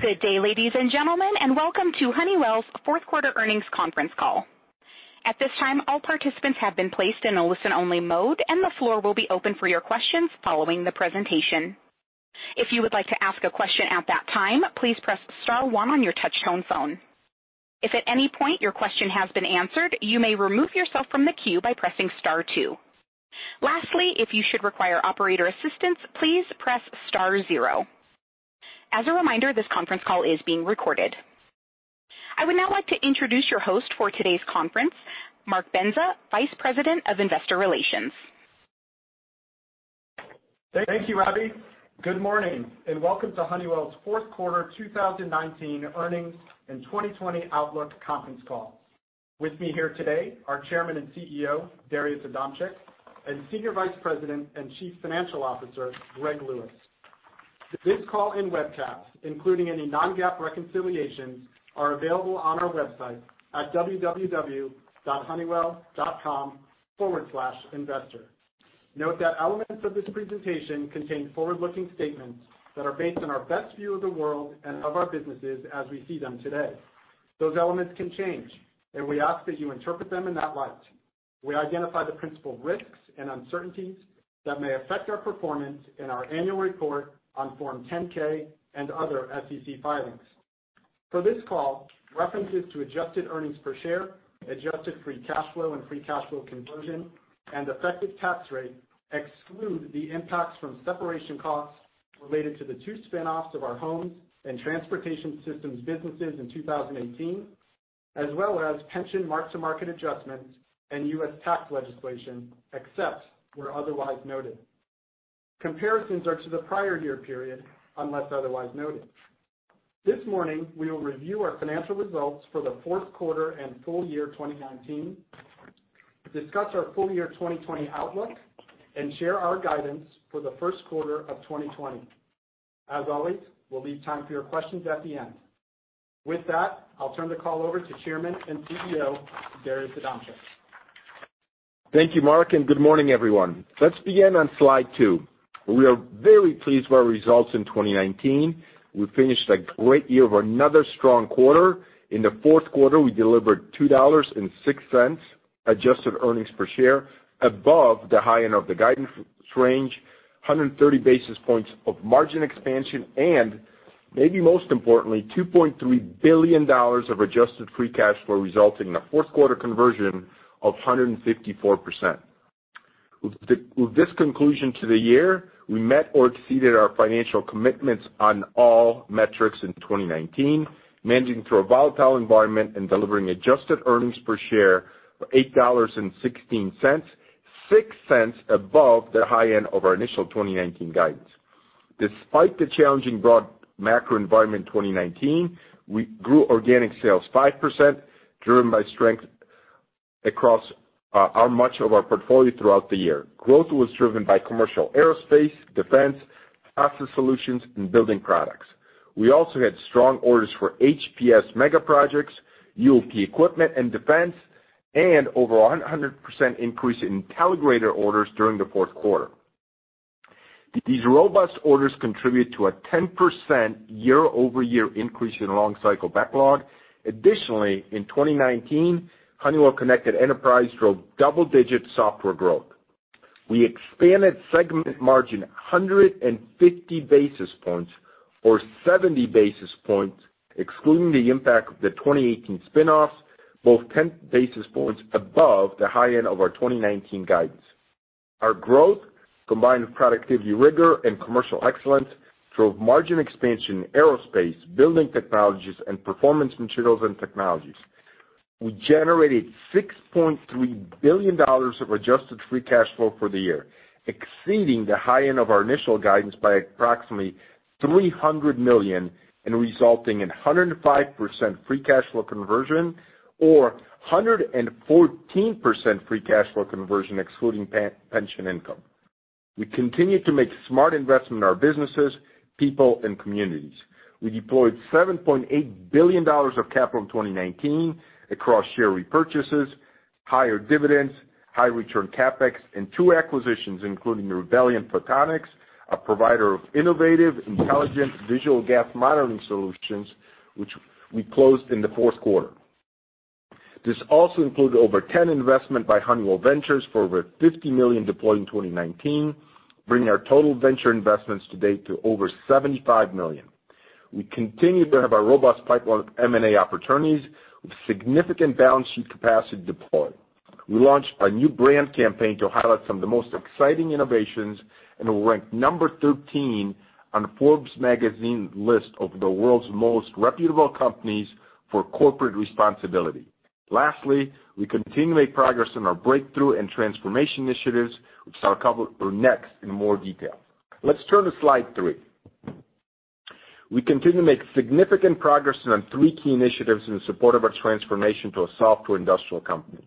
Good day, ladies and gentlemen, and welcome to Honeywell's fourth quarter earnings conference call. At this time, all participants have been placed in a listen-only mode, and the floor will be open for your questions following the presentation. If you would like to ask a question at that time, please press star one on your touchtone phone. If at any point your question has been answered, you may remove yourself from the queue by pressing star two. Lastly, if you should require operator assistance, please press star zero. As a reminder, this conference call is being recorded. I would now like to introduce your host for today's conference, Mark Bendza, Vice President of Investor Relations. Thank you, Abby. Good morning, and welcome to Honeywell's fourth quarter 2019 earnings and 2020 outlook conference call. With me here today are Chairman and CEO, Darius Adamczyk, and Senior Vice President and Chief Financial Officer, Greg Lewis. This call and webcast, including any non-GAAP reconciliations, are available on our website at www.honeywell.com/investor. Note that elements of this presentation contain forward-looking statements that are based on our best view of the world and of our businesses as we see them today. Those elements can change, and we ask that you interpret them in that light. We identify the principal risks and uncertainties that may affect our performance in our annual report on Form 10-K and other SEC filings. For this call, references to adjusted earnings per share, adjusted free cash flow and free cash flow conversion, and effective tax rate exclude the impacts from separation costs related to the two spin-offs of our homes and transportation systems businesses in 2018, as well as pension mark-to-market adjustments and U.S. tax legislation, except where otherwise noted. Comparisons are to the prior year period, unless otherwise noted. This morning, we will review our financial results for the fourth quarter and full year 2019, discuss our full year 2020 outlook, and share our guidance for the first quarter of 2020. As always, we'll leave time for your questions at the end. With that, I'll turn the call over to Chairman and CEO, Darius Adamczyk. Thank you, Mark, and good morning, everyone. Let's begin on slide two. We are very pleased with our results in 2019. We finished a great year with another strong quarter. In the fourth quarter, we delivered $2.06 adjusted earnings per share above the high end of the guidance range, 130 basis points of margin expansion and, maybe most importantly, $2.3 billion of adjusted free cash flow, resulting in a fourth quarter conversion of 154%. With this conclusion to the year, we met or exceeded our financial commitments on all metrics in 2019, managing through a volatile environment and delivering adjusted earnings per share of $8.16, $0.06 above the high end of our initial 2019 guidance. Despite the challenging broad macro environment in 2019, we grew organic sales 5%, driven by strength across much of our portfolio throughout the year. Growth was driven by commercial aerospace, defense, asset solutions, and building products. We also had strong orders for HPS mega projects, UOP equipment and defense, and over 100% increase in Intelligrated orders during the fourth quarter. These robust orders contribute to a 10% year-over-year increase in long cycle backlog. Additionally, in 2019, Honeywell Connected Enterprise drove double-digit software growth. We expanded segment margin 150 basis points or 70 basis points, excluding the impact of the 2018 spin-offs, both 10 basis points above the high end of our 2019 guidance. Our growth, combined with productivity rigor and commercial excellence, drove margin expansion in aerospace, building technologies, and Performance Materials and Technologies. We generated $6.3 billion of adjusted free cash flow for the year, exceeding the high end of our initial guidance by approximately $300 million and resulting in 105% free cash flow conversion or 114% free cash flow conversion excluding pension income. We continue to make smart investments in our businesses, people, and communities. We deployed $7.8 billion of capital in 2019 across share repurchases, higher dividends, high return CapEx, and two acquisitions, including Rebellion Photonics, a provider of innovative, intelligent visual gas monitoring solutions, which we closed in the fourth quarter. This also included over 10 investment by Honeywell Ventures for over $50 million deployed in 2019, bringing our total venture investments to date to over $75 million. We continue to have a robust pipeline of M&A opportunities with significant balance sheet capacity deployed. We launched a new brand campaign to highlight some of the most exciting innovations and were ranked number 13 on Forbes magazine list of the world's most reputable companies for corporate responsibility. Lastly, we continue to make progress on our breakthrough and transformation initiatives, which I'll cover next in more detail. Let's turn to slide three. We continue to make significant progress on three key initiatives in support of our transformation to a software industrial company.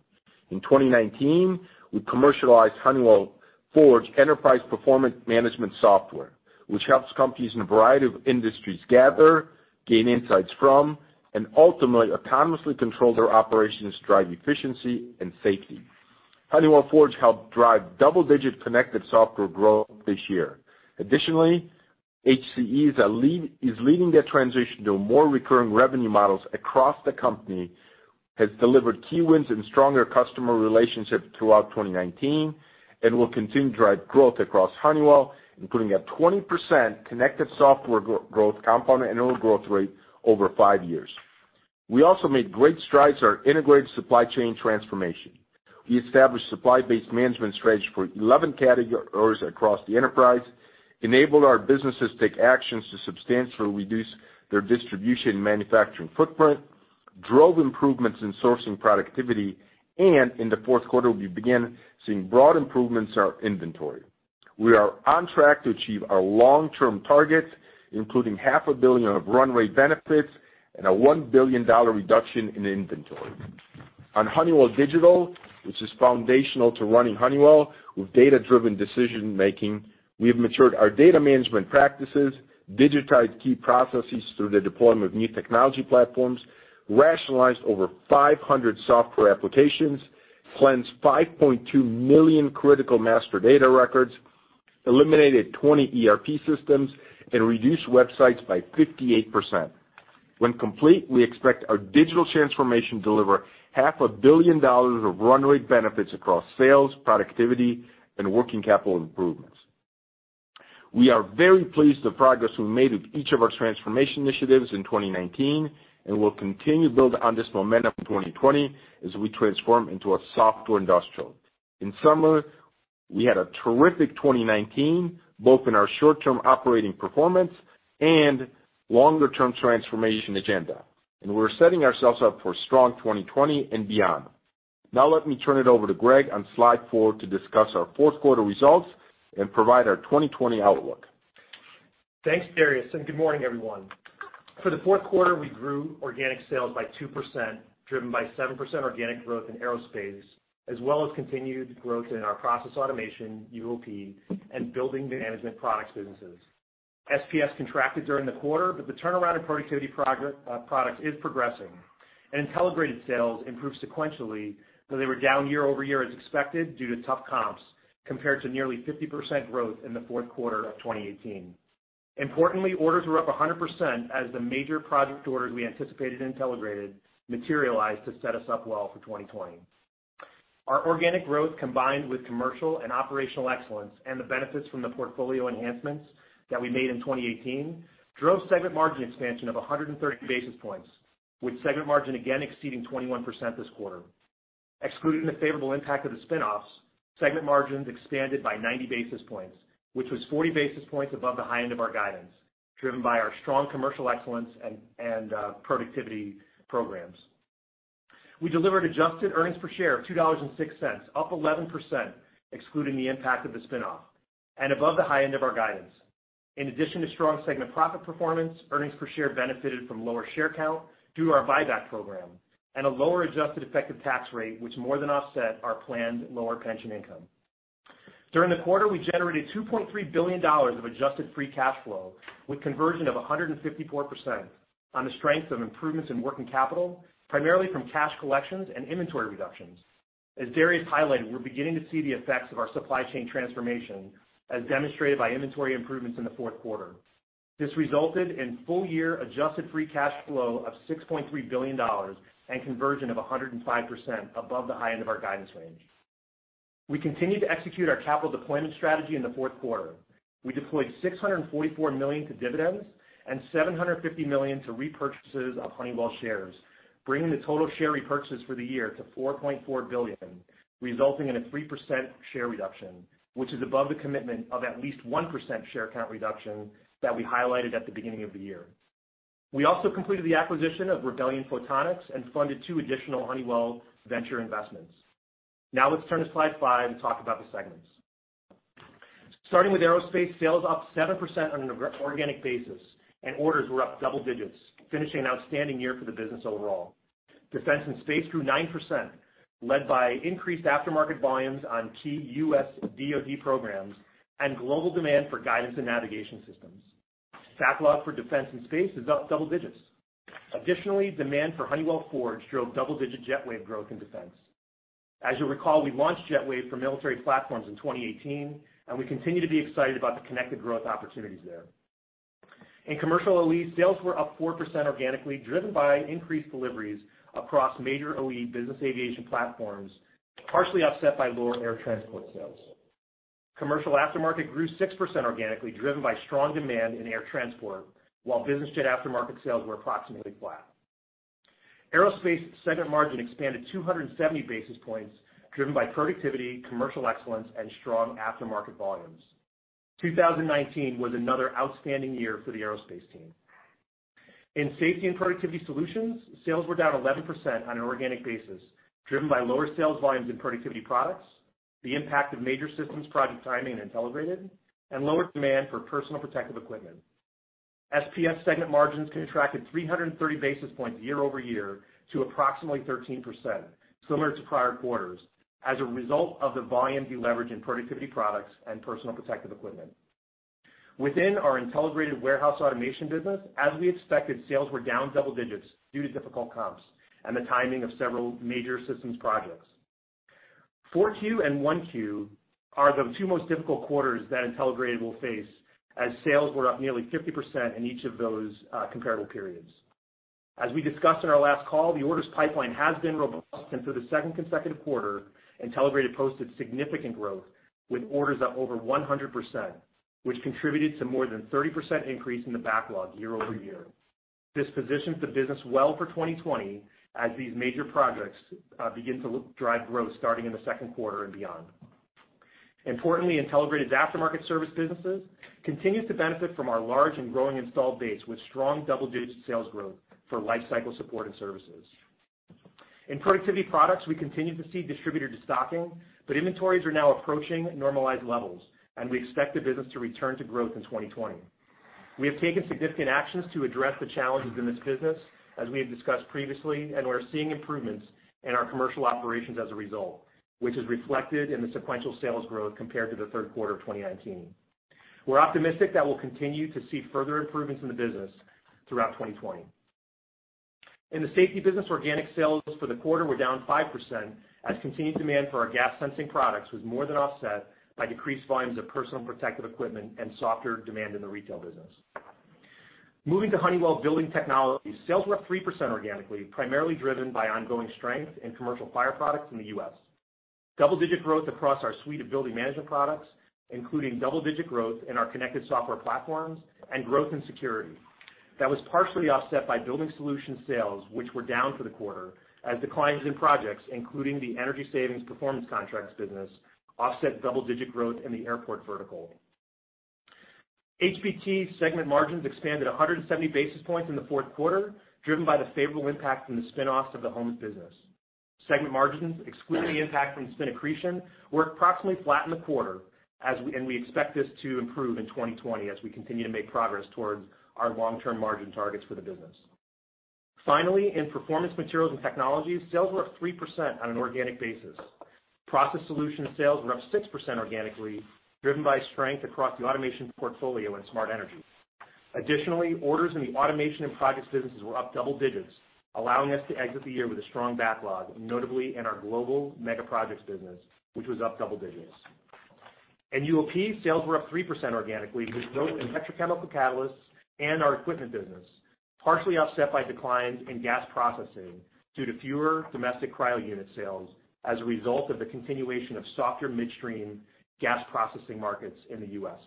In 2019, we commercialized Honeywell Forge Enterprise Performance Management software, which helps companies in a variety of industries gather, gain insights from, and ultimately autonomously control their operations to drive efficiency and safety. Honeywell Forge helped drive double-digit connected software growth this year. Additionally, HCE is leading the transition to more recurring revenue models across the company, has delivered key wins and stronger customer relationships throughout 2019, and will continue to drive growth across Honeywell, including a 20% connected software growth compound annual growth rate over five years. We also made great strides in our integrated supply chain transformation. We established supply-based management strategies for 11 categories across the enterprise, enabled our businesses to take actions to substantially reduce their distribution and manufacturing footprint, drove improvements in sourcing productivity, and in the fourth quarter, we began seeing broad improvements in our inventory. We are on track to achieve our long-term targets, including $0.5 billion of run rate benefits and a $1 billion reduction in inventory. On Honeywell Digital, which is foundational to running Honeywell with data-driven decision making, we have matured our data management practices, digitized key processes through the deployment of new technology platforms, rationalized over 500 software applications, cleansed 5.2 million critical master data records, eliminated 20 ERP systems, and reduced websites by 58%. When complete, we expect our digital transformation to deliver $0.5 billion of run rate benefits across sales, productivity, and working capital improvements. We are very pleased with the progress we made with each of our transformation initiatives in 2019. We'll continue to build on this momentum in 2020 as we transform into a software industrial. In summary, we had a terrific 2019, both in our short-term operating performance and longer-term transformation agenda. We're setting ourselves up for a strong 2020 and beyond. Now let me turn it over to Greg on slide four to discuss our fourth quarter results and provide our 2020 outlook. Thanks, Darius, and good morning, everyone. For the fourth quarter, we grew organic sales by 2%, driven by 7% organic growth in Aerospace, as well as continued growth in our process automation, UOP, and building management products businesses. SPS contracted during the quarter, but the turnaround in productivity products is progressing, and Intelligrated sales improved sequentially, though they were down year-over-year as expected due to tough comps, compared to nearly 50% growth in the fourth quarter of 2018. Importantly, orders were up 100% as the major project orders we anticipated in Intelligrated materialized to set us up well for 2020. Our organic growth, combined with commercial and operational excellence and the benefits from the portfolio enhancements that we made in 2018, drove segment margin expansion of 130 basis points, with segment margin again exceeding 21% this quarter. Excluding the favorable impact of the spin-offs, segment margins expanded by 90 basis points, which was 40 basis points above the high end of our guidance, driven by our strong commercial excellence and productivity programs. We delivered adjusted earnings per share of $2.06, up 11%, excluding the impact of the spin-off, and above the high end of our guidance. In addition to strong segment profit performance, earnings per share benefited from lower share count due to our buyback program and a lower adjusted effective tax rate, which more than offset our planned lower pension income. During the quarter, we generated $2.3 billion of adjusted free cash flow with conversion of 154% on the strength of improvements in working capital, primarily from cash collections and inventory reductions. As Darius highlighted, we're beginning to see the effects of our supply chain transformation, as demonstrated by inventory improvements in the fourth quarter. This resulted in full-year adjusted free cash flow of $6.3 billion and conversion of 105% above the high end of our guidance range. We continued to execute our capital deployment strategy in the fourth quarter. We deployed $644 million to dividends and $750 million to repurchases of Honeywell shares, bringing the total share repurchases for the year to $4.4 billion, resulting in a 3% share reduction, which is above the commitment of at least 1% share count reduction that we highlighted at the beginning of the year. We also completed the acquisition of Rebellion Photonics and funded two additional Honeywell venture investments. Let's turn to slide five and talk about the segments. Starting with Aerospace, sales up 7% on an organic basis, and orders were up double digits, finishing an outstanding year for the business overall. Defense and Space grew 9%, led by increased aftermarket volumes on key U.S. DoD programs and global demand for guidance and navigation systems. Backlog for Defense and Space is up double digits. Additionally, demand for Honeywell Forge drove double-digit JetWave growth in Defense. As you'll recall, we launched JetWave for military platforms in 2018, and we continue to be excited about the connected growth opportunities there. In Commercial OE, sales were up 4% organically, driven by increased deliveries across major OE Business Aviation platforms, partially offset by lower Air Transport sales. Commercial Aftermarket grew 6% organically, driven by strong demand in Air Transport, while Business Jet aftermarket sales were approximately flat. Aerospace segment margin expanded 270 basis points, driven by productivity, commercial excellence, and strong aftermarket volumes. 2019 was another outstanding year for the Aerospace team. In Safety and Productivity Solutions, sales were down 11% on an organic basis, driven by lower sales volumes in productivity products, the impact of major systems project timing in Intelligrated, and lower demand for personal protective equipment. SPS segment margins contracted 330 basis points year-over-year to approximately 13%, similar to prior quarters, as a result of the volume deleverage in productivity products and personal protective equipment. Within our Intelligrated warehouse automation business, as we expected, sales were down double digits due to difficult comps and the timing of several major systems projects. 4Q and 1Q are the two most difficult quarters that Intelligrated will face, as sales were up nearly 50% in each of those comparable periods. As we discussed on our last call, the orders pipeline has been robust, and for the second consecutive quarter, Intelligrated posted significant growth with orders up over 100%, which contributed to more than 30% increase in the backlog year-over-year. This positions the business well for 2020 as these major projects begin to drive growth starting in the second quarter and beyond. Importantly, Intelligrated's aftermarket service businesses continues to benefit from our large and growing installed base, with strong double-digit sales growth for lifecycle support and services. In productivity products, we continue to see distributor de-stocking, but inventories are now approaching normalized levels, and we expect the business to return to growth in 2020. We have taken significant actions to address the challenges in this business, as we have discussed previously, and we're seeing improvements in our commercial operations as a result, which is reflected in the sequential sales growth compared to the third quarter of 2019. We're optimistic that we'll continue to see further improvements in the business throughout 2020. In the safety business, organic sales for the quarter were down 5%, as continued demand for our gas sensing products was more than offset by decreased volumes of personal protective equipment and softer demand in the retail business. Moving to Honeywell Building Technologies, sales were up 3% organically, primarily driven by ongoing strength in commercial fire products in the U.S., double-digit growth across our suite of building management products, including double-digit growth in our connected software platforms and growth in security. That was partially offset by Building Solutions sales, which were down for the quarter, as declines in projects, including the energy savings performance contracts business, offset double-digit growth in the airport vertical. HBT's segment margins expanded 170 basis points in the fourth quarter, driven by the favorable impact from the spin-offs of the homes business. Segment margins, excluding the impact from spin accretion, were approximately flat in the quarter. We expect this to improve in 2020 as we continue to make progress towards our long-term margin targets for the business. Finally, in Performance Materials and Technologies, sales were up 3% on an organic basis. Process Solutions sales were up 6% organically, driven by strength across the automation portfolio and Smart Energy. Additionally, orders in the automation and projects businesses were up double digits, allowing us to exit the year with a strong backlog, notably in our global mega-projects business, which was up double digits. In UOP, sales were up 3% organically with growth in petrochemical catalysts and our equipment business, partially offset by declines in gas processing due to fewer domestic cryo unit sales as a result of the continuation of softer midstream gas processing markets in the U.S.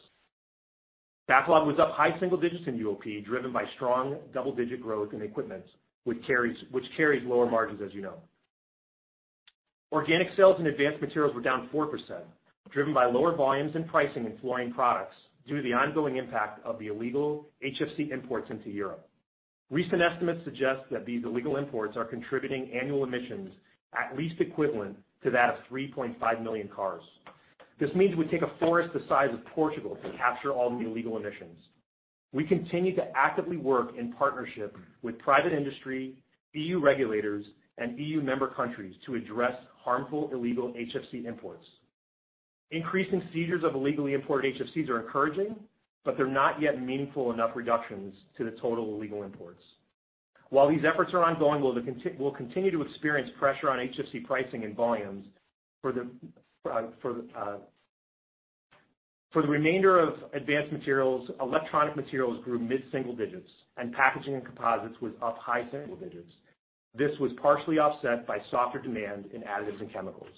Backlog was up high single digits in UOP, driven by strong double-digit growth in equipment, which carries lower margins, as you know. Organic sales in Advanced Materials were down 4%, driven by lower volumes and pricing in fluorine products due to the ongoing impact of the illegal HFC imports into Europe. Recent estimates suggest that these illegal imports are contributing annual emissions at least equivalent to that of 3.5 million cars. This means it would take a forest the size of Portugal to capture all the illegal emissions. We continue to actively work in partnership with private industry, EU regulators, and EU member countries to address harmful illegal HFC imports. Increasing seizures of illegally imported HFCs are encouraging, they're not yet meaningful enough reductions to the total illegal imports. While these efforts are ongoing, we'll continue to experience pressure on HFC pricing and volumes. For the remainder of Advanced Materials, electronic materials grew mid-single digits and packaging and composites was up high single digits. This was partially offset by softer demand in additives and chemicals.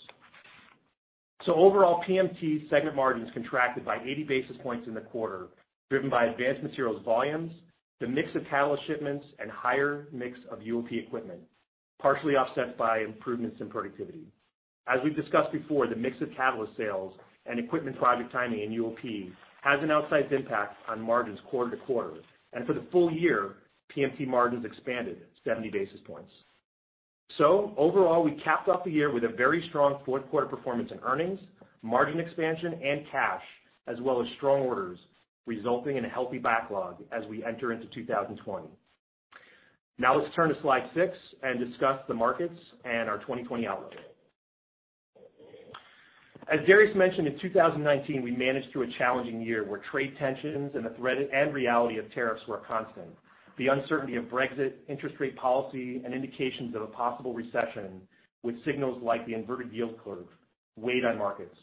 Overall, PMT segment margins contracted by 80 basis points in the quarter, driven by Advanced Materials volumes, the mix of catalyst shipments, and higher mix of UOP equipment, partially offset by improvements in productivity. As we've discussed before, the mix of catalyst sales and equipment project timing in UOP has an outsized impact on margins quarter to quarter. For the full year, PMT margins expanded 70 basis points. Overall, we capped off the year with a very strong fourth quarter performance in earnings, margin expansion, and cash, as well as strong orders, resulting in a healthy backlog as we enter into 2020. Now let's turn to slide six and discuss the markets and our 2020 outlook. As Darius mentioned, in 2019, we managed through a challenging year, where trade tensions and the threat and reality of tariffs were a constant. The uncertainty of Brexit, interest rate policy, and indications of a possible recession, with signals like the inverted yield curve, weighed on markets.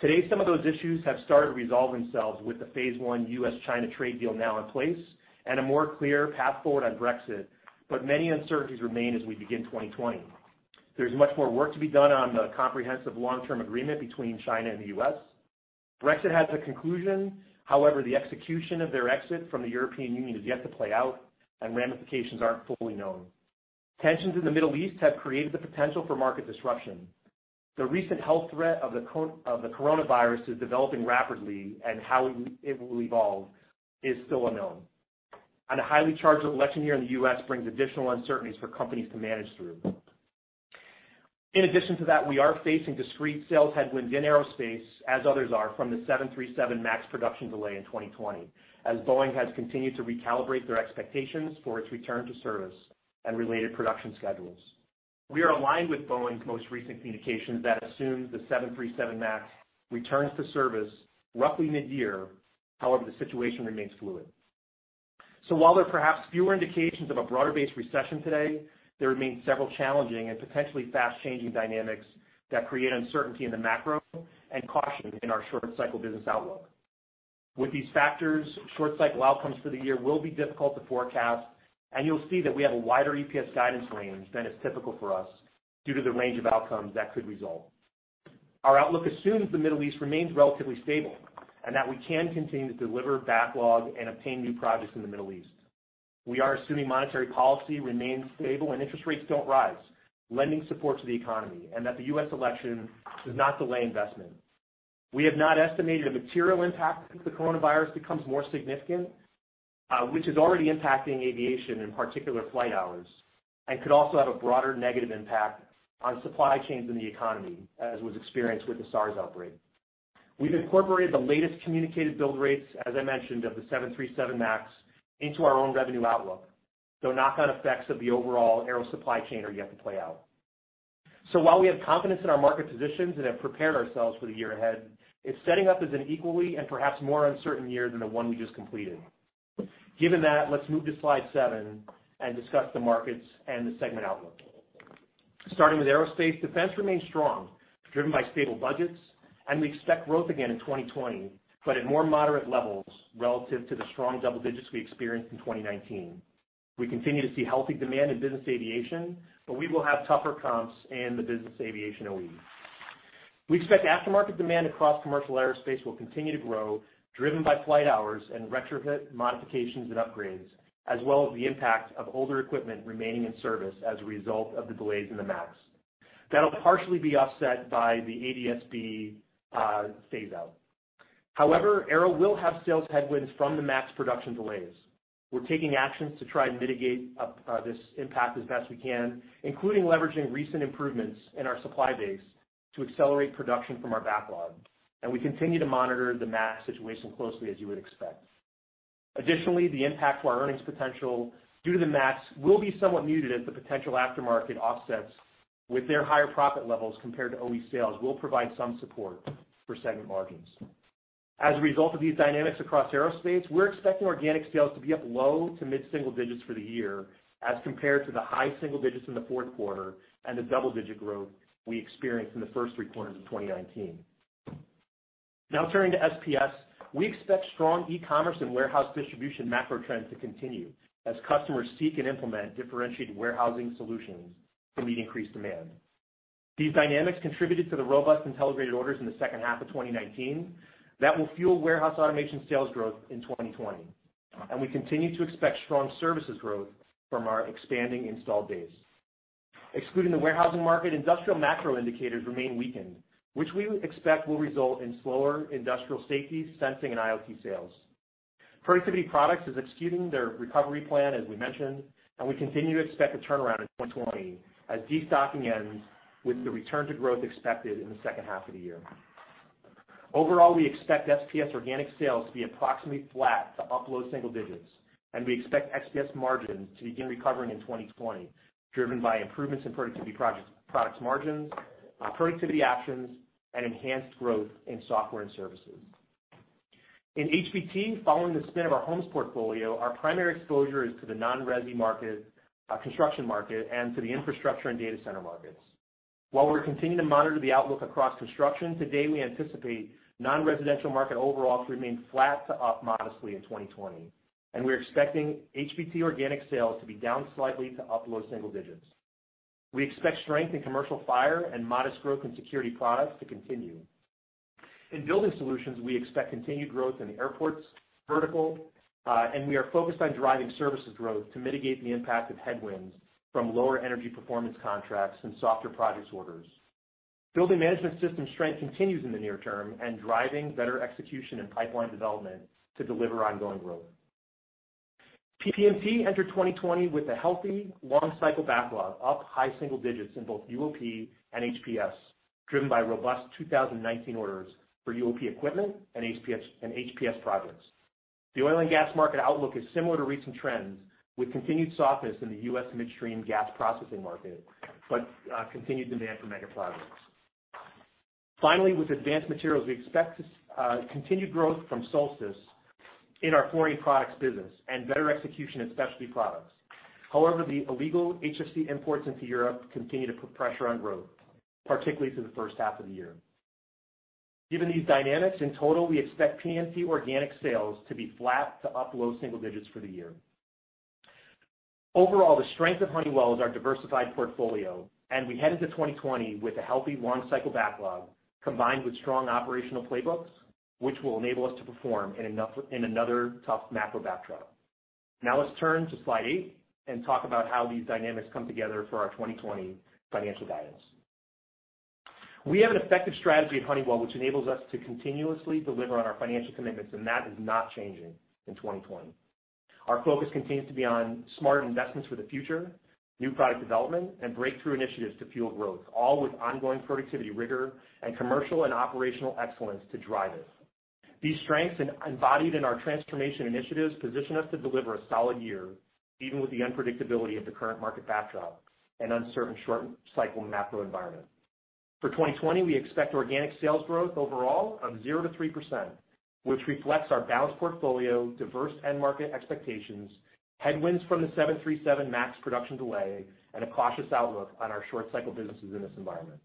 Today, some of those issues have started to resolve themselves with the phase one U.S.-China trade deal now in place and a more clear path forward on Brexit. Many uncertainties remain as we begin 2020. There's much more work to be done on the comprehensive long-term agreement between China and the U.S. Brexit has a conclusion. However, the execution of their exit from the European Union is yet to play out, and ramifications aren't fully known. Tensions in the Middle East have created the potential for market disruption. The recent health threat of the coronavirus is developing rapidly, and how it will evolve is still unknown. A highly charged election year in the U.S. brings additional uncertainties for companies to manage through. In addition to that, we are facing discrete sales headwinds in Aerospace, as others are, from the 737 MAX production delay in 2020, as Boeing has continued to recalibrate their expectations for its return to service and related production schedules. We are aligned with Boeing's most recent communications that assume the 737 MAX returns to service roughly mid-year. However, the situation remains fluid. While there are perhaps fewer indications of a broader-based recession today, there remain several challenging and potentially fast-changing dynamics that create uncertainty in the macro and caution in our short-cycle business outlook. With these factors, short-cycle outcomes for the year will be difficult to forecast, and you'll see that we have a wider EPS guidance range than is typical for us due to the range of outcomes that could result. Our outlook assumes the Middle East remains relatively stable, and that we can continue to deliver backlog and obtain new projects in the Middle East. We are assuming monetary policy remains stable and interest rates don't rise, lending support to the economy, and that the U.S. election does not delay investment. We have not estimated a material impact if the coronavirus becomes more significant, which is already impacting aviation, in particular flight hours, and could also have a broader negative impact on supply chains in the economy, as was experienced with the SARS outbreak. We've incorporated the latest communicated build rates, as I mentioned, of the 737 MAX into our own revenue outlook, though knock-on effects of the overall Aero supply chain are yet to play out. While we have confidence in our market positions and have prepared ourselves for the year ahead, it's setting up as an equally, and perhaps more uncertain year than the one we just completed. Given that, let's move to slide seven and discuss the markets and the segment outlook. Starting with Aerospace, defense remains strong, driven by stable budgets, and we expect growth again in 2020, but at more moderate levels relative to the strong double digits we experienced in 2019. We continue to see healthy demand in business aviation, but we will have tougher comps in the business aviation OE. We expect aftermarket demand across commercial Aerospace will continue to grow, driven by flight hours and Retrofit, Modifications, and Upgrades, as well as the impact of older equipment remaining in service as a result of the delays in the MAX. That'll partially be offset by the ADS-B phase-out. However, Aero will have sales headwinds from the MAX production delays. We're taking actions to try and mitigate this impact as best we can, including leveraging recent improvements in our supply base to accelerate production from our backlog. We continue to monitor the MAX situation closely, as you would expect. The impact to our earnings potential due to the MAX will be somewhat muted as the potential aftermarket offsets with their higher profit levels compared to OE sales will provide some support for segment margins. A result of these dynamics across Aerospace, we're expecting organic sales to be up low to mid-single digits for the year as compared to the high single digits in the fourth quarter and the double-digit growth we experienced in the first three quarters of 2019. Now turning to SPS. We expect strong e-commerce and warehouse distribution macro trends to continue as customers seek and implement differentiated warehousing solutions to meet increased demand. These dynamics contributed to the robust Intelligrated orders in the second half of 2019. Will fuel warehouse automation sales growth in 2020. We continue to expect strong services growth from our expanding installed base. Excluding the warehousing market, industrial macro indicators remain weakened, which we expect will result in slower industrial safety, sensing, and IoT sales. Productivity products is executing their recovery plan, as we mentioned, we continue to expect a turnaround in 2020 as de-stocking ends with the return to growth expected in the second half of the year. Overall, we expect SPS organic sales to be approximately flat to up low single digits. We expect SPS margin to begin recovering in 2020, driven by improvements in productivity products margins, productivity actions, and enhanced growth in software and services. In HBT, following the spin of our homes portfolio, our primary exposure is to the non-resi market, construction market, and to the infrastructure and data center markets. While we're continuing to monitor the outlook across construction, today we anticipate non-residential market overall to remain flat to up modestly in 2020. We're expecting HBT organic sales to be down slightly to up low single digits. We expect strength in commercial fire and modest growth in security products to continue. In building solutions, we expect continued growth in the airports vertical, and we are focused on driving services growth to mitigate the impact of headwinds from lower energy performance contracts and softer projects orders. Building management system strength continues in the near term and driving better execution and pipeline development to deliver ongoing growth. PMT entered 2020 with a healthy long-cycle backlog, up high single digits in both UOP and HPS, driven by robust 2019 orders for UOP equipment and HPS projects. The oil and gas market outlook is similar to recent trends with continued softness in the U.S. midstream gas processing market, but continued demand for mega projects. Finally, with Advanced Materials, we expect to see continued growth from Solstice in our fluorine products business and better execution in specialty products. However, the illegal HFC imports into Europe continue to put pressure on growth, particularly through the first half of the year. Given these dynamics, in total, we expect PMT organic sales to be flat to up low single digits for the year. Overall, the strength of Honeywell is our diversified portfolio, and we head into 2020 with a healthy long-cycle backlog combined with strong operational playbooks, which will enable us to perform in another tough macro backdrop. Let's turn to slide eight and talk about how these dynamics come together for our 2020 financial guidance. We have an effective strategy at Honeywell, which enables us to continuously deliver on our financial commitments, and that is not changing in 2020. Our focus continues to be on smart investments for the future, new product development, and breakthrough initiatives to fuel growth, all with ongoing productivity rigor and commercial and operational excellence to drive it. These strengths embodied in our transformation initiatives position us to deliver a solid year, even with the unpredictability of the current market backdrop and uncertain short cycle macro environment. For 2020, we expect organic sales growth overall of 0%-3%, which reflects our balanced portfolio, diverse end market expectations, headwinds from the 737 MAX production delay, and a cautious outlook on our short cycle businesses in this environment.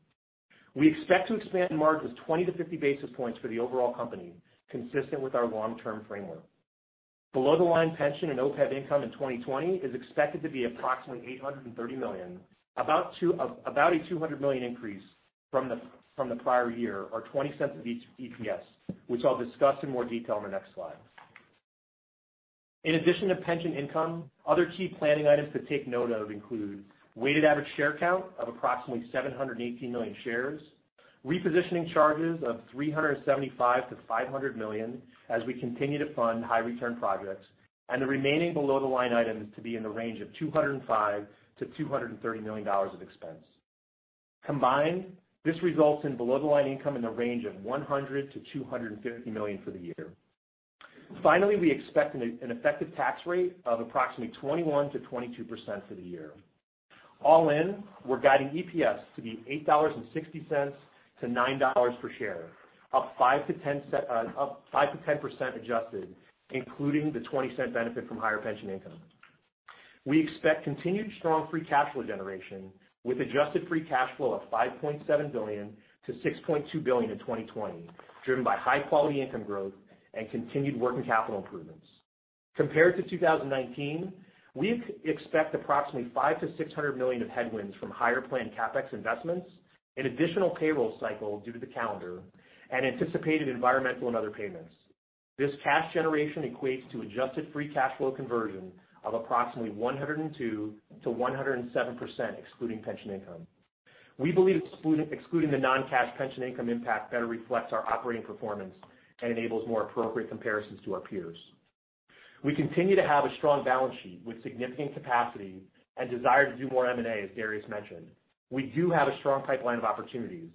We expect to expand margins 20-50 basis points for the overall company, consistent with our long-term framework. Below the line pension and OPEB income in 2020 is expected to be approximately $830 million, about a $200 million increase from the prior year, or $0.20 of EPS, which I'll discuss in more detail in the next slide. In addition to pension income, other key planning items to take note of include weighted average share count of approximately 718 million shares, repositioning charges of $375 million-$500 million as we continue to fund high return projects, and the remaining below the line items to be in the range of $205 million-$230 million of expense. Combined, this results in below the line income in the range of $100 million-$250 million for the year. Finally, we expect an effective tax rate of approximately 21%-22% for the year. All in, we're guiding EPS to be $8.60-$9 per share, up 5%-10% adjusted, including the $0.20 benefit from higher pension income. We expect continued strong free cash flow generation with adjusted free cash flow of $5.7 billion-$6.2 billion in 2020, driven by high-quality income growth and continued working capital improvements. Compared to 2019, we expect approximately $500 million-$600 million of headwinds from higher planned CapEx investments, an additional payroll cycle due to the calendar, and anticipated environmental and other payments. This cash generation equates to adjusted free cash flow conversion of approximately 102%-107%, excluding pension income. We believe excluding the non-cash pension income impact better reflects our operating performance and enables more appropriate comparisons to our peers. We continue to have a strong balance sheet with significant capacity and desire to do more M&A, as Darius mentioned. We do have a strong pipeline of opportunities.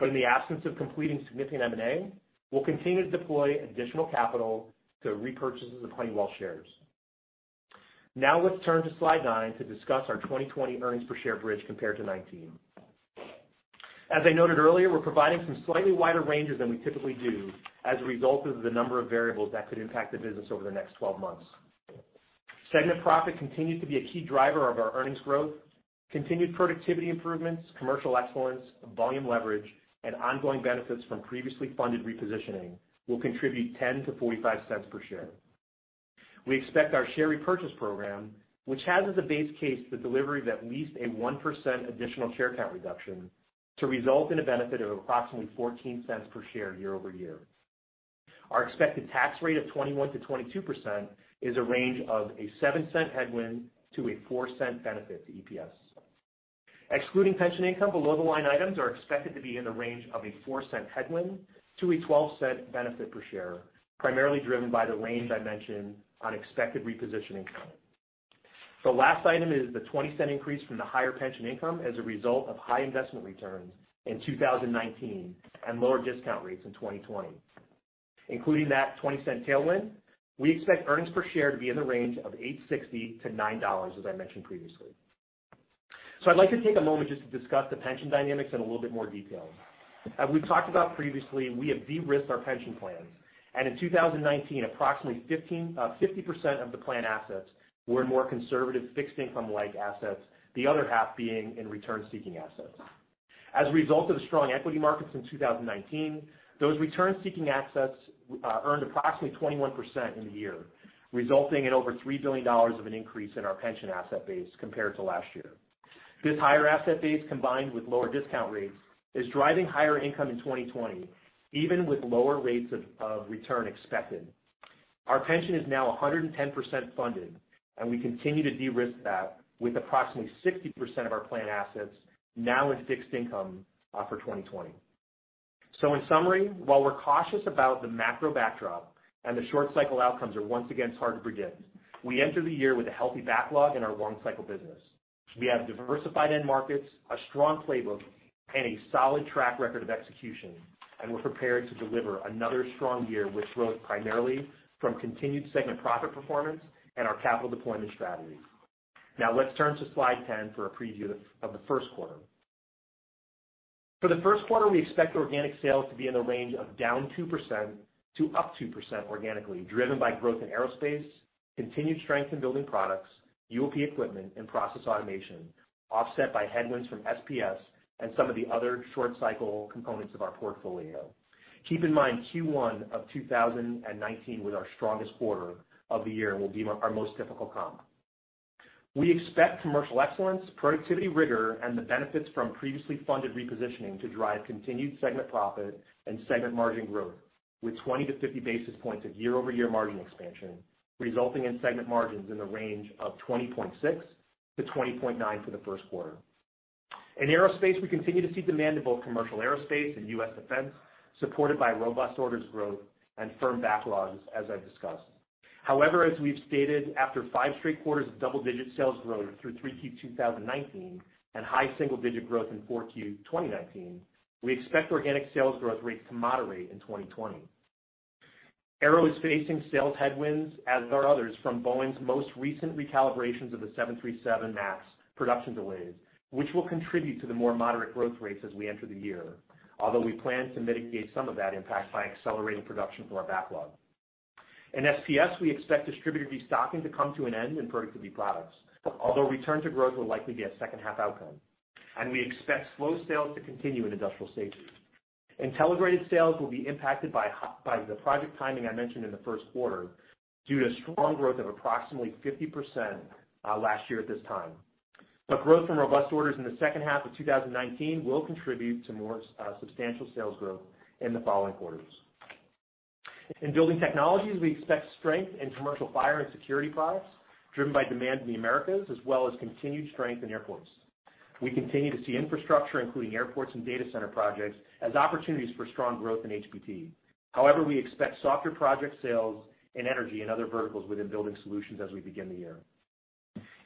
In the absence of completing significant M&A, we'll continue to deploy additional capital to repurchases of Honeywell shares. Let's turn to slide nine to discuss our 2020 earnings per share bridge compared to 2019. As I noted earlier, we're providing some slightly wider ranges than we typically do as a result of the number of variables that could impact the business over the next 12 months. Segment profit continues to be a key driver of our earnings growth, continued productivity improvements, commercial excellence, volume leverage, and ongoing benefits from previously funded repositioning will contribute $0.10-$0.45 per share. We expect our share repurchase program, which has as a base case the delivery of at least a 1% additional share count reduction, to result in a benefit of approximately $0.14 per share year-over-year. Our expected tax rate of 21%-22% is a range of a $0.07 headwind to a $0.04 benefit to EPS. Excluding pension income, below the line items are expected to be in the range of a $0.04 headwind to a $0.12 benefit per share, primarily driven by the range I mentioned on expected repositioning income. The last item is the $0.20 increase from the higher pension income as a result of high investment returns in 2019 and lower discount rates in 2020. Including that $0.20 tailwind, we expect earnings per share to be in the range of $8.60-$9, as I mentioned previously. I'd like to take a moment just to discuss the pension dynamics in a little bit more detail. As we've talked about previously, we have de-risked our pension plans, and in 2019, approximately 50% of the plan assets were in more conservative fixed income-like assets, the other half being in return-seeking assets. As a result of the strong equity markets in 2019, those return-seeking assets earned approximately 21% in the year, resulting in over $3 billion of an increase in our pension asset base compared to last year. This higher asset base, combined with lower discount rates, is driving higher income in 2020, even with lower rates of return expected. Our pension is now 110% funded, and we continue to de-risk that with approximately 60% of our plan assets now in fixed income for 2020. In summary, while we're cautious about the macro backdrop and the short cycle outcomes are once again hard to predict, we enter the year with a healthy backlog in our long cycle business. We have diversified end markets, a strong playbook, and a solid track record of execution, and we're prepared to deliver another strong year with growth primarily from continued segment profit performance and our capital deployment strategies. Let's turn to slide 10 for a preview of the first quarter. For the first quarter, we expect organic sales to be in the range of down 2% to up 2% organically, driven by growth in Aerospace, continued strength in building products, UOP equipment, and process automation, offset by headwinds from SPS and some of the other short cycle components of our portfolio. Keep in mind, Q1 of 2019 was our strongest quarter of the year and will be our most difficult comp. We expect commercial excellence, productivity rigor, and the benefits from previously funded repositioning to drive continued segment profit and segment margin growth with 20 to 50 basis points of year-over-year margin expansion, resulting in segment margins in the range of 20.6%-20.9% for the first quarter. In Aerospace, we continue to see demand in both commercial Aerospace and U.S. defense, supported by robust orders growth and firm backlogs, as I've discussed. However, as we've stated, after five straight quarters of double-digit sales growth through 3Q 2019 and high single-digit growth in 4Q 2019, we expect organic sales growth rates to moderate in 2020. Aero is facing sales headwinds, as are others, from Boeing's most recent recalibrations of the 737 MAX production delays, which will contribute to the more moderate growth rates as we enter the year. Although we plan to mitigate some of that impact by accelerating production from our backlog. In SPS, we expect distributor de-stocking to come to an end in productivity products, although return to growth will likely be a second half outcome. We expect slow sales to continue in industrial safety. Intelligrated sales will be impacted by the project timing I mentioned in the first quarter, due to strong growth of approximately 50% last year at this time. Growth from robust orders in the second half of 2019 will contribute to more substantial sales growth in the following quarters. In Building Technologies, we expect strength in commercial fire and security products, driven by demand in the Americas, as well as continued strength in airports. We continue to see infrastructure, including airports and data center projects, as opportunities for strong growth in HBT. However, we expect softer project sales in energy and other verticals within building solutions as we begin the year.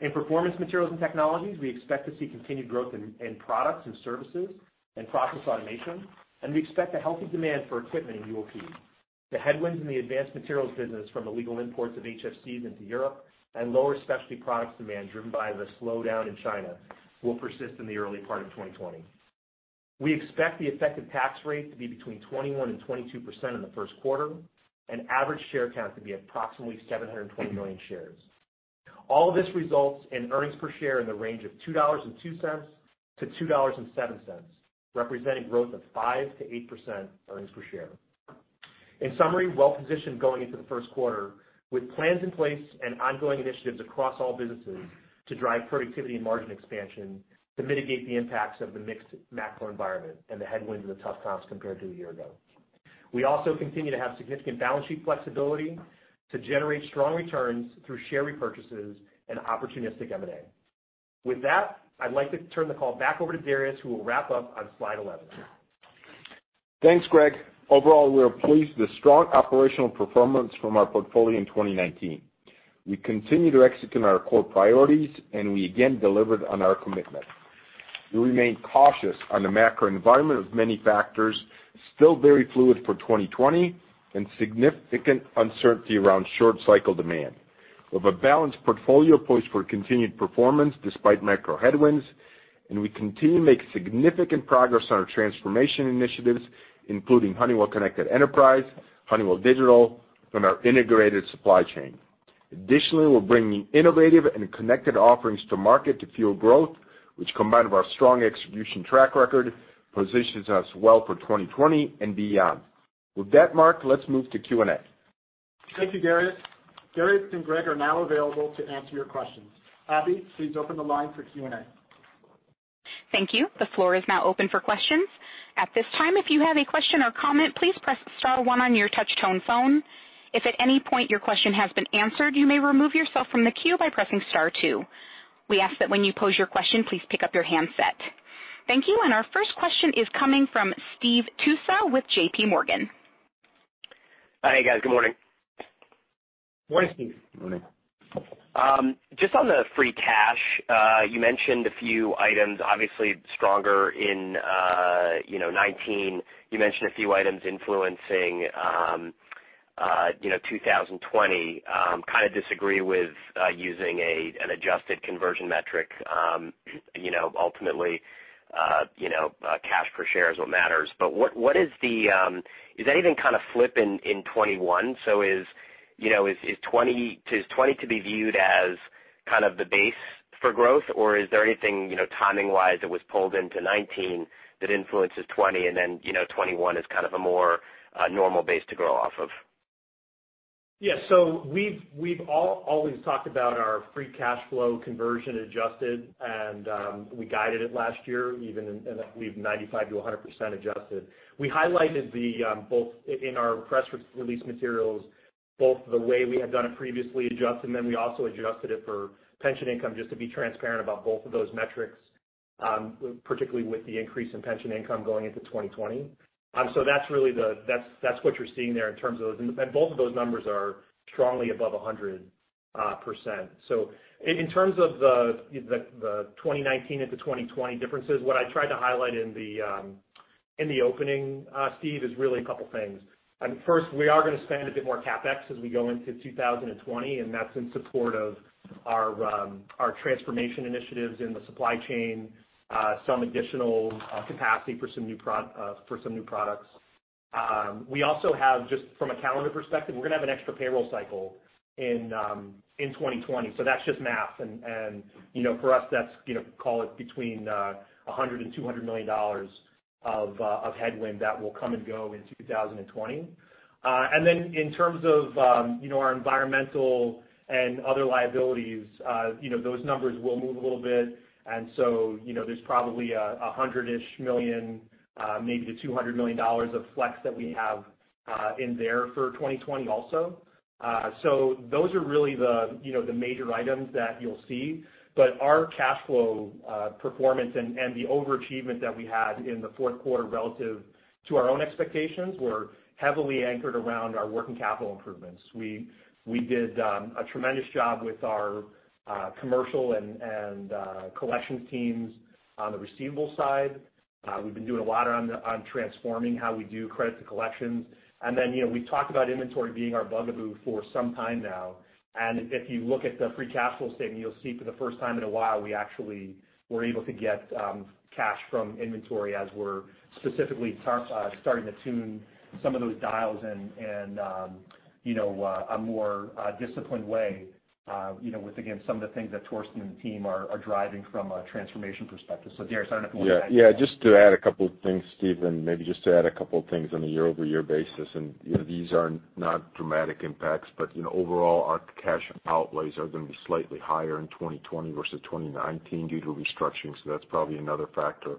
In Performance Materials and Technologies, we expect to see continued growth in products and services and process automation, and we expect a healthy demand for equipment in UOP. The headwinds in the Advanced Materials business from illegal imports of HFCs into Europe and lower specialty products demand driven by the slowdown in China will persist in the early part of 2020. We expect the effective tax rate to be between 21% and 22% in the first quarter, and average share count to be approximately 720 million shares. All of this results in earnings per share in the range of $2.02-$2.07, representing growth of 5%-8% earnings per share. In summary, well-positioned going into the first quarter, with plans in place and ongoing initiatives across all businesses to drive productivity and margin expansion to mitigate the impacts of the mixed macro environment and the headwinds of the tough comps compared to a year ago. We also continue to have significant balance sheet flexibility to generate strong returns through share repurchases and opportunistic M&A. With that, I'd like to turn the call back over to Darius, who will wrap up on slide 11. Thanks, Greg. Overall, we are pleased with the strong operational performance from our portfolio in 2019. We continue to execute on our core priorities, and we again delivered on our commitment. We remain cautious on the macro environment of many factors, still very fluid for 2020, and significant uncertainty around short cycle demand. We have a balanced portfolio poised for continued performance despite macro headwinds, and we continue to make significant progress on our transformation initiatives, including Honeywell Connected Enterprise, Honeywell Digital, and our integrated supply chain. Additionally, we're bringing innovative and connected offerings to market to fuel growth, which combined with our strong execution track record, positions us well for 2020 and beyond. With that, Mark, let's move to Q&A. Thank you, Darius. Darius and Greg are now available to answer your questions. Abby, please open the line for Q&A. Thank you. The floor is now open for questions. At this time, if you have a question or comment, please press star one on your touch tone phone. If at any point your question has been answered, you may remove yourself from the queue by pressing star two. We ask that when you pose your question, please pick up your handset. Thank you. Our first question is coming from Steve Tusa with JPMorgan. Hi, guys. Good morning. Morning, Steve. Morning. Just on the free cash, you mentioned a few items, obviously stronger in 2019. You mentioned a few items influencing 2020. Kind of disagree with using an adjusted conversion metric. Does anything kind of flip in 2021? Is 2020 to be viewed as kind of the base for growth, or is there anything timing wise that was pulled into 2019 that influences 2020, and then 2021 is kind of a more normal base to grow off of? Yeah. We've always talked about our free cash flow conversion adjusted, and we guided it last year, even, I believe, 95%-100% adjusted. We highlighted both in our press release materials, both the way we had done it previously adjusted, and then we also adjusted it for pension income just to be transparent about both of those metrics, particularly with the increase in pension income going into 2020. That's what you're seeing there in terms of those. Both of those numbers are strongly above 100%. In terms of the 2019 into 2020 differences, what I tried to highlight in the opening, Steve, is really a couple things. First, we are going to spend a bit more CapEx as we go into 2020, and that's in support of our transformation initiatives in the supply chain, some additional capacity for some new products. We also have, just from a calendar perspective, we're going to have an extra payroll cycle in 2020, so that's just math. For us, that's call it between $100 million and $200 million of headwind that will come and go in 2020. In terms of our environmental and other liabilities, those numbers will move a little bit. There's probably $100-ish million, maybe to $200 million of flex that we have in there for 2020 also. Those are really the major items that you'll see. Our cash flow performance and the overachievement that we had in the fourth quarter relative to our own expectations, were heavily anchored around our working capital improvements. We did a tremendous job with our commercial and collections teams on the receivables side. We've been doing a lot on transforming how we do credit to collections. We've talked about inventory being our bugaboo for some time now, and if you look at the free cash flow statement, you'll see for the first time in a while, we actually were able to get cash from inventory as we're specifically starting to tune some of those dials in a more disciplined way with, again, some of the things that Torsten and the team are driving from a transformation perspective. Darius, I don't know if you want to add to that. Yeah. Just to add a couple of things, Steve, maybe just to add a couple things on a year-over-year basis, these are not dramatic impacts, overall, our cash outlays are going to be slightly higher in 2020 versus 2019 due to restructuring, so that's probably another factor.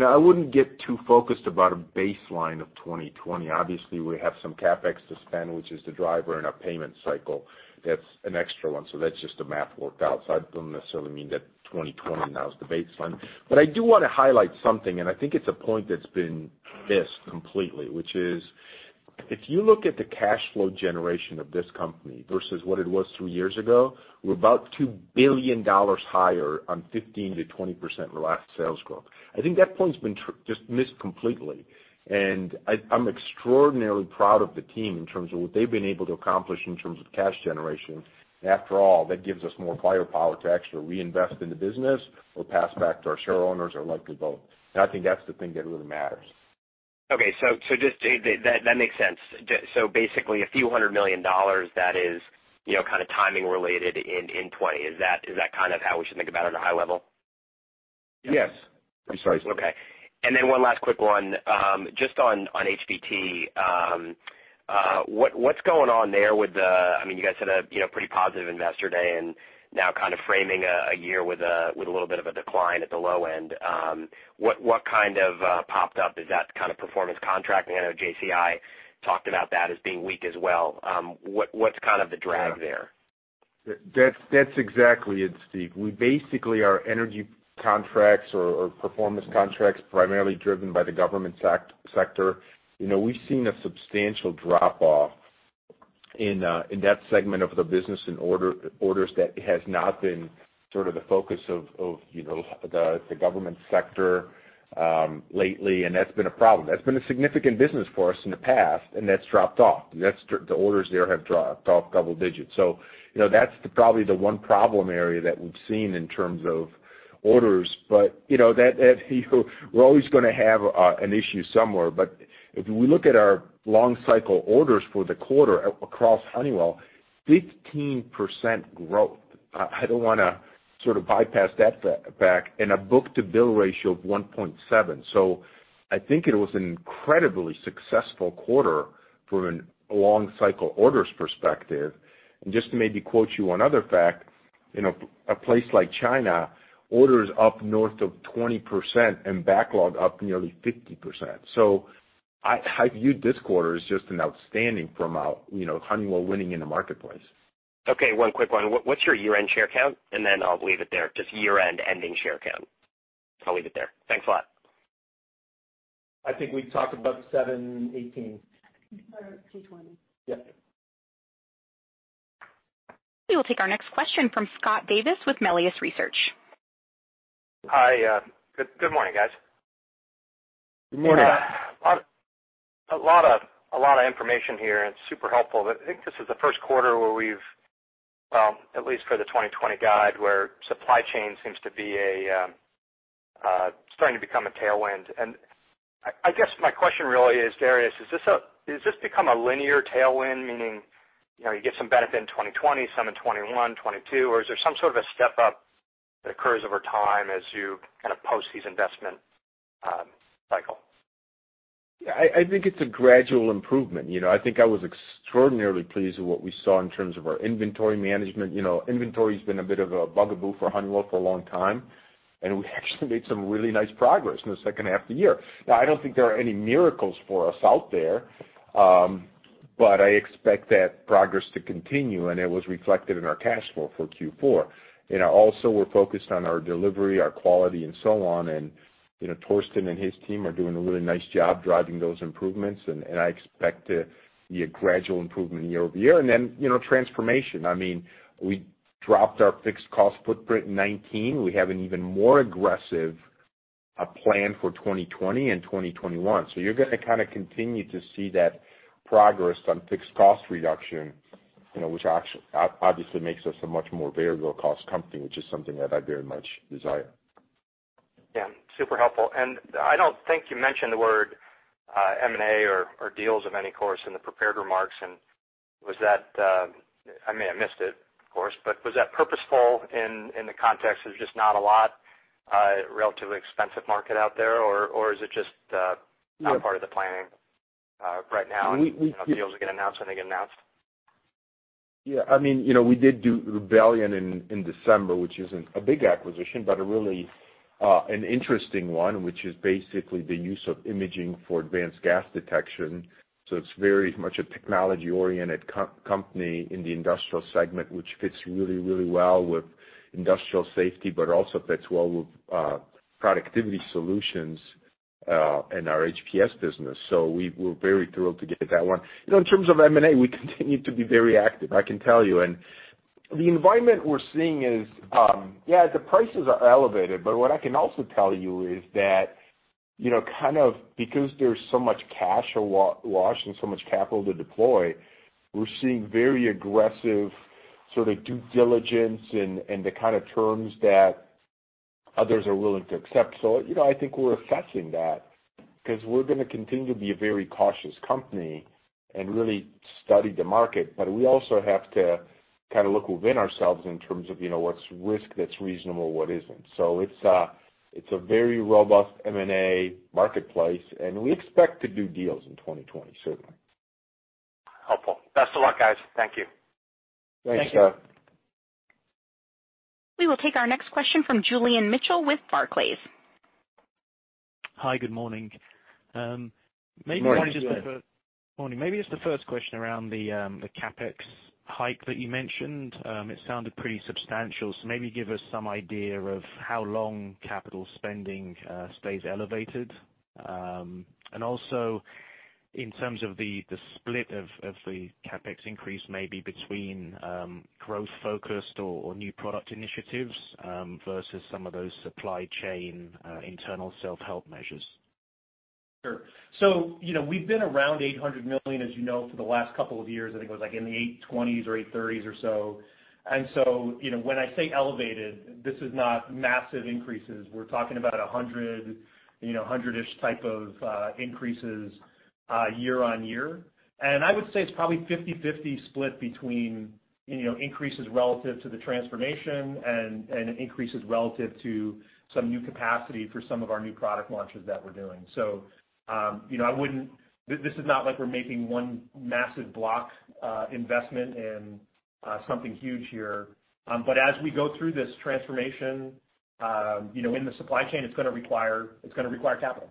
I wouldn't get too focused about a baseline of 2020. Obviously, we have some CapEx to spend, which is the driver in our payment cycle. That's an extra one, so that's just the math worked out. That doesn't necessarily mean that 2020 now is the baseline. I do want to highlight something, and I think it's a point that's been missed completely, which is, if you look at the cash flow generation of this company versus what it was two years ago, we're about $2 billion higher on 15%-20% last sales growth. I think that point's been just missed completely, and I'm extraordinarily proud of the team in terms of what they've been able to accomplish in terms of cash generation. After all, that gives us more firepower to actually reinvest in the business or pass back to our share owners, or likely both. I think that's the thing that really matters. Okay. That makes sense. Basically, a few hundred million dollars that is kind of timing related in 2020. Is that kind of how we should think about it at a high level? Yes. I'm sorry. Okay. One last quick one. Just on HBT. What's going on there? You guys had a pretty positive investor day, and now kind of framing a year with a little bit of a decline at the low end. What kind of popped up? Is that kind of performance contracting? I know JCI talked about that as being weak as well. What's kind of the drag there? That's exactly it, Steve. We basically our energy contracts or performance contracts, primarily driven by the government sector. We've seen a substantial drop-off in that segment of the business in orders that has not been sort of the focus of the government sector lately, and that's been a problem. That's been a significant business for us in the past, and that's dropped off. The orders there have dropped double digits. That's probably the one problem area that we've seen in terms of orders. We're always going to have an issue somewhere. If we look at our long cycle orders for the quarter across Honeywell, 15% growth. I don't want to sort of bypass that fact, a book-to-bill ratio of 1.7. I think it was an incredibly successful quarter from a long cycle orders perspective. Just to maybe quote you one other fact, in a place like China, orders up north of 20% and backlog up nearly 50%. I view this quarter as just an outstanding from a Honeywell winning in the marketplace. Okay, one quick one. What's your year-end share count? I'll leave it there. Just year-end ending share count. I'll leave it there. Thanks a lot. I think we talked about 718. 720. Yeah. We will take our next question from Scott Davis with Melius Research. Hi. Good morning, guys. Good morning. A lot of information here, and super helpful. I think this is the first quarter where we've, well, at least for the 2020 guide, where supply chain seems to be starting to become a tailwind. I guess my question really is, Darius, has this become a linear tailwind? Meaning, you get some benefit in 2020, some in 2021, 2022, or is there some sort of a step-up that occurs over time as you kind of post these investment cycle? I think it's a gradual improvement. I think I was extraordinarily pleased with what we saw in terms of our inventory management. Inventory's been a bit of a bugaboo for Honeywell for a long time, and we actually made some really nice progress in the second half of the year. I don't think there are any miracles for us out there, but I expect that progress to continue, and it was reflected in our cash flow for Q4. We're focused on our delivery, our quality, and so on, and Torsten and his team are doing a really nice job driving those improvements, and I expect to see a gradual improvement year-over-year. Transformation. We dropped our fixed cost footprint in 2019. We have an even more aggressive plan for 2020 and 2021. You're going to kind of continue to see that progress on fixed cost reduction which obviously makes us a much more variable cost company, which is something that I very much desire. Yeah, super helpful. I don't think you mentioned the word M&A or deals of any course in the prepared remarks. I may have missed it, of course, was that purposeful in the context of just not a lot relatively expensive market out there, or is it just not part of the planning right now and deals will get announced when they get announced? Yeah. We did do Rebellion in December, which isn't a big acquisition, but really an interesting one, which is basically the use of imaging for advanced gas detection. It's very much a technology-oriented company in the industrial segment, which fits really well with industrial safety, but also fits well with productivity solutions in our HPS business. We're very thrilled to get that one. In terms of M&A, we continue to be very active, I can tell you. The environment we're seeing is, yeah, the prices are elevated, but what I can also tell you is that, kind of because there's so much cash awash and so much capital to deploy, we're seeing very aggressive sort of due diligence and the kind of terms that others are willing to accept. I think we're assessing that because we're going to continue to be a very cautious company and really study the market. We also have to look within ourselves in terms of what's risk that's reasonable, what isn't. It's a very robust M&A marketplace, and we expect to do deals in 2020, certainly. Helpful. Best of luck, guys. Thank you. Thanks. Thank you. We will take our next question from Julian Mitchell with Barclays. Hi, good morning. Good morning, Julian. Morning. Maybe just the first question around the CapEx hike that you mentioned. It sounded pretty substantial, so maybe give us some idea of how long capital spending stays elevated. Also, in terms of the split of the CapEx increase, maybe between growth-focused or new product initiatives versus some of those supply chain internal self-help measures. Sure. We've been around $800 million, as you know, for the last couple of years. I think it was like in the $820s or $830s or so. When I say elevated, this is not massive increases. We're talking about 100-ish type of increases year-on-year. I would say it's probably 50/50 split between increases relative to the transformation and increases relative to some new capacity for some of our new product launches that we're doing. This is not like we're making one massive block investment in something huge here. As we go through this transformation in the supply chain, it's going to require capital.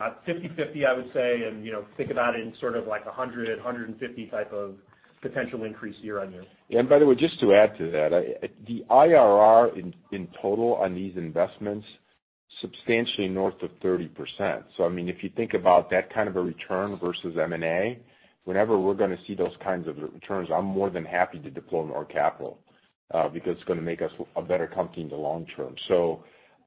50/50, I would say, and think about it in sort of like $100, $150 type of potential increase year-on-year. By the way, just to add to that, the IRR in total on these investments, substantially north of 30%. If you think about that kind of a return versus M&A, whenever we're going to see those kinds of returns, I'm more than happy to deploy more capital because it's going to make us a better company in the long term.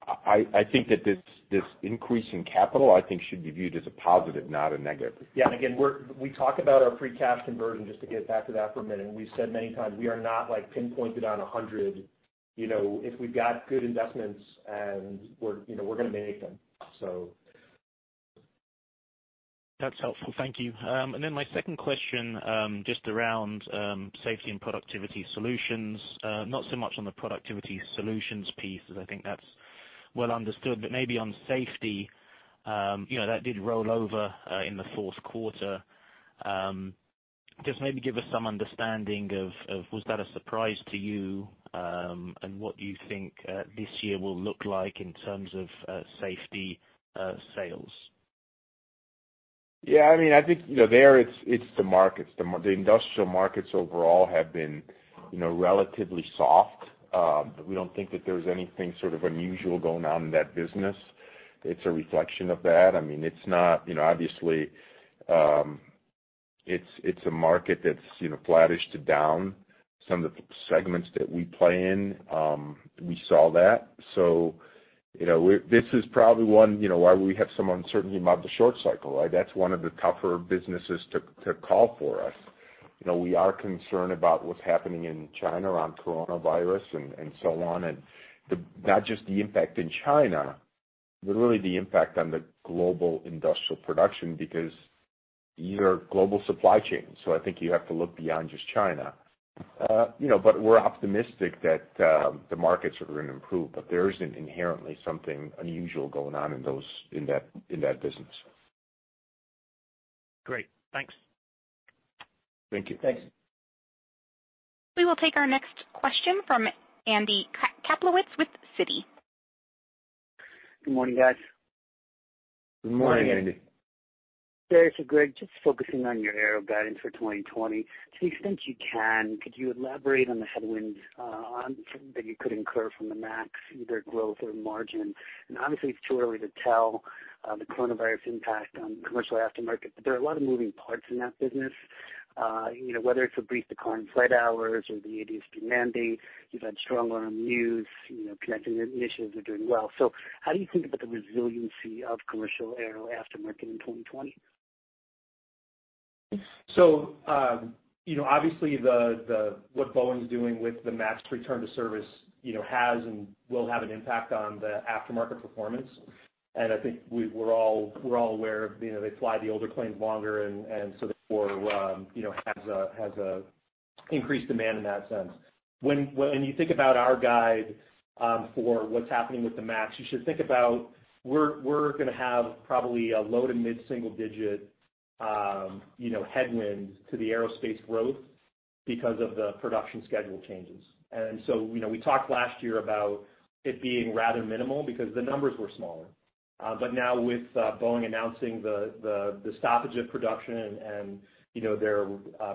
I think that this increase in capital, I think, should be viewed as a positive, not a negative. Yeah. Again, we talk about our free cash conversion, just to get back to that for a minute. We've said many times we are not like pinpointed on 100. If we've got good investments, we're going to make them. That's helpful. Thank you. My second question, just around Safety and Productivity Solutions. Not so much on the Productivity Solutions piece, as I think that's well understood, but maybe on Safety. That did roll over in the fourth quarter. Just maybe give us some understanding of, was that a surprise to you? What do you think this year will look like in terms of Safety sales? Yeah. I think there it's the markets. The industrial markets overall have been relatively soft. We don't think that there's anything sort of unusual going on in that business. It's a reflection of that. Obviously, it's a market that's flattish to down. Some of the segments that we play in, we saw that. This is probably one why we have some uncertainty about the short cycle, right? That's one of the tougher businesses to call for us. We are concerned about what's happening in China on coronavirus and so on. Not just the impact in China, but really the impact on the global industrial production because you're a global supply chain. I think you have to look beyond just China. We're optimistic that the markets are going to improve. There isn't inherently something unusual going on in that business. Great. Thanks. Thank you. Thanks. We will take our next question from Andy Kaplowitz with Citi. Good morning, guys. Good morning. Good morning. Good morning, Andy. Darius or Greg, just focusing on your Aero guidance for 2020. To the extent you can, could you elaborate on the headwinds that you could incur from the MAX, either growth or margin? Obviously, it's too early to tell the coronavirus impact on commercial aftermarket, but there are a lot of moving parts in that business. Whether it's a brief decline in flight hours, or the ADS-B mandate, you've had strong order news, connecting initiatives are doing well. How do you think about the resiliency of commercial Aero aftermarket in 2020? Obviously what Boeing's doing with the MAX return to service has and will have an impact on the aftermarket performance. I think we're all aware of they fly the older planes longer, and so therefore, has a increased demand in that sense. When you think about our guide for what's happening with the MAX, you should think about we're going to have probably a low to mid-single digit headwinds to the aerospace growth because of the production schedule changes. We talked last year about it being rather minimal because the numbers were smaller. Now with Boeing announcing the stoppage of production and their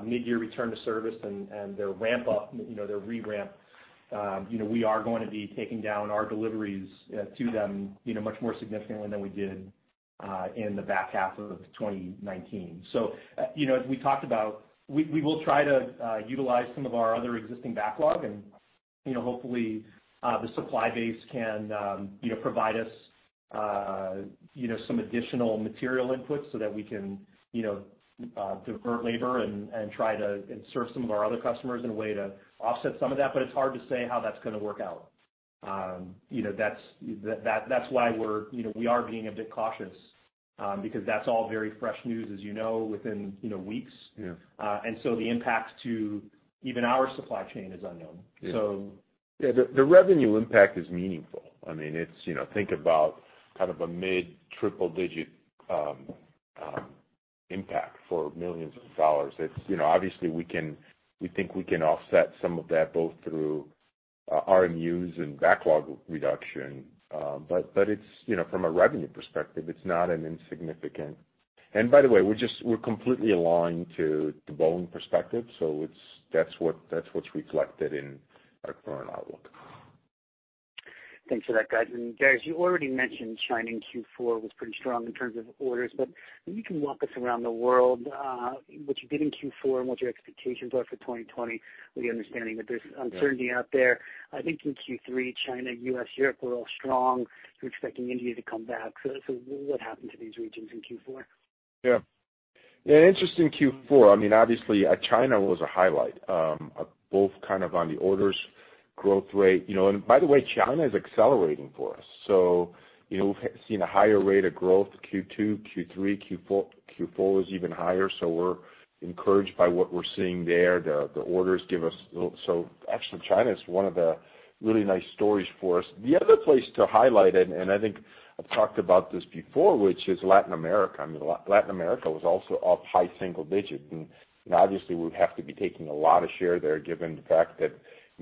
midyear return to service and their re-ramp, we are going to be taking down our deliveries to them much more significantly than we did in the back half of 2019. As we talked about, we will try to utilize some of our other existing backlog and hopefully the supply base can provide us some additional material input so that we can divert labor and try to serve some of our other customers in a way to offset some of that. It's hard to say how that's going to work out. That's why we are being a bit cautious, because that's all very fresh news, as you know, within weeks. Yeah. The impact to even our supply chain is unknown. Yeah. The revenue impact is meaningful. Think about a mid-triple digit impact for millions of dollars. Obviously, we think we can offset some of that both through RMUs and backlog reduction. From a revenue perspective, by the way, we're completely aligned to the Boeing perspective, that's what's reflected in our current outlook. Thanks for that, guys. Darius, you already mentioned China in Q4 was pretty strong in terms of orders, but maybe you can walk us around the world, what you did in Q4 and what your expectations are for 2020, with the understanding that there's uncertainty out there. I think in Q3, China, U.S., Europe were all strong. You're expecting India to come back. What happened to these regions in Q4? Yeah. Interesting Q4. Obviously, China was a highlight, both on the orders growth rate. By the way, China is accelerating for us. We've seen a higher rate of growth, Q2, Q3, Q4 was even higher, so we're encouraged by what we're seeing there. Actually, China is one of the really nice stories for us. The other place to highlight, and I think I've talked about this before, which is Latin America. Latin America was also up high single digits, and obviously we would have to be taking a lot of share there given the fact that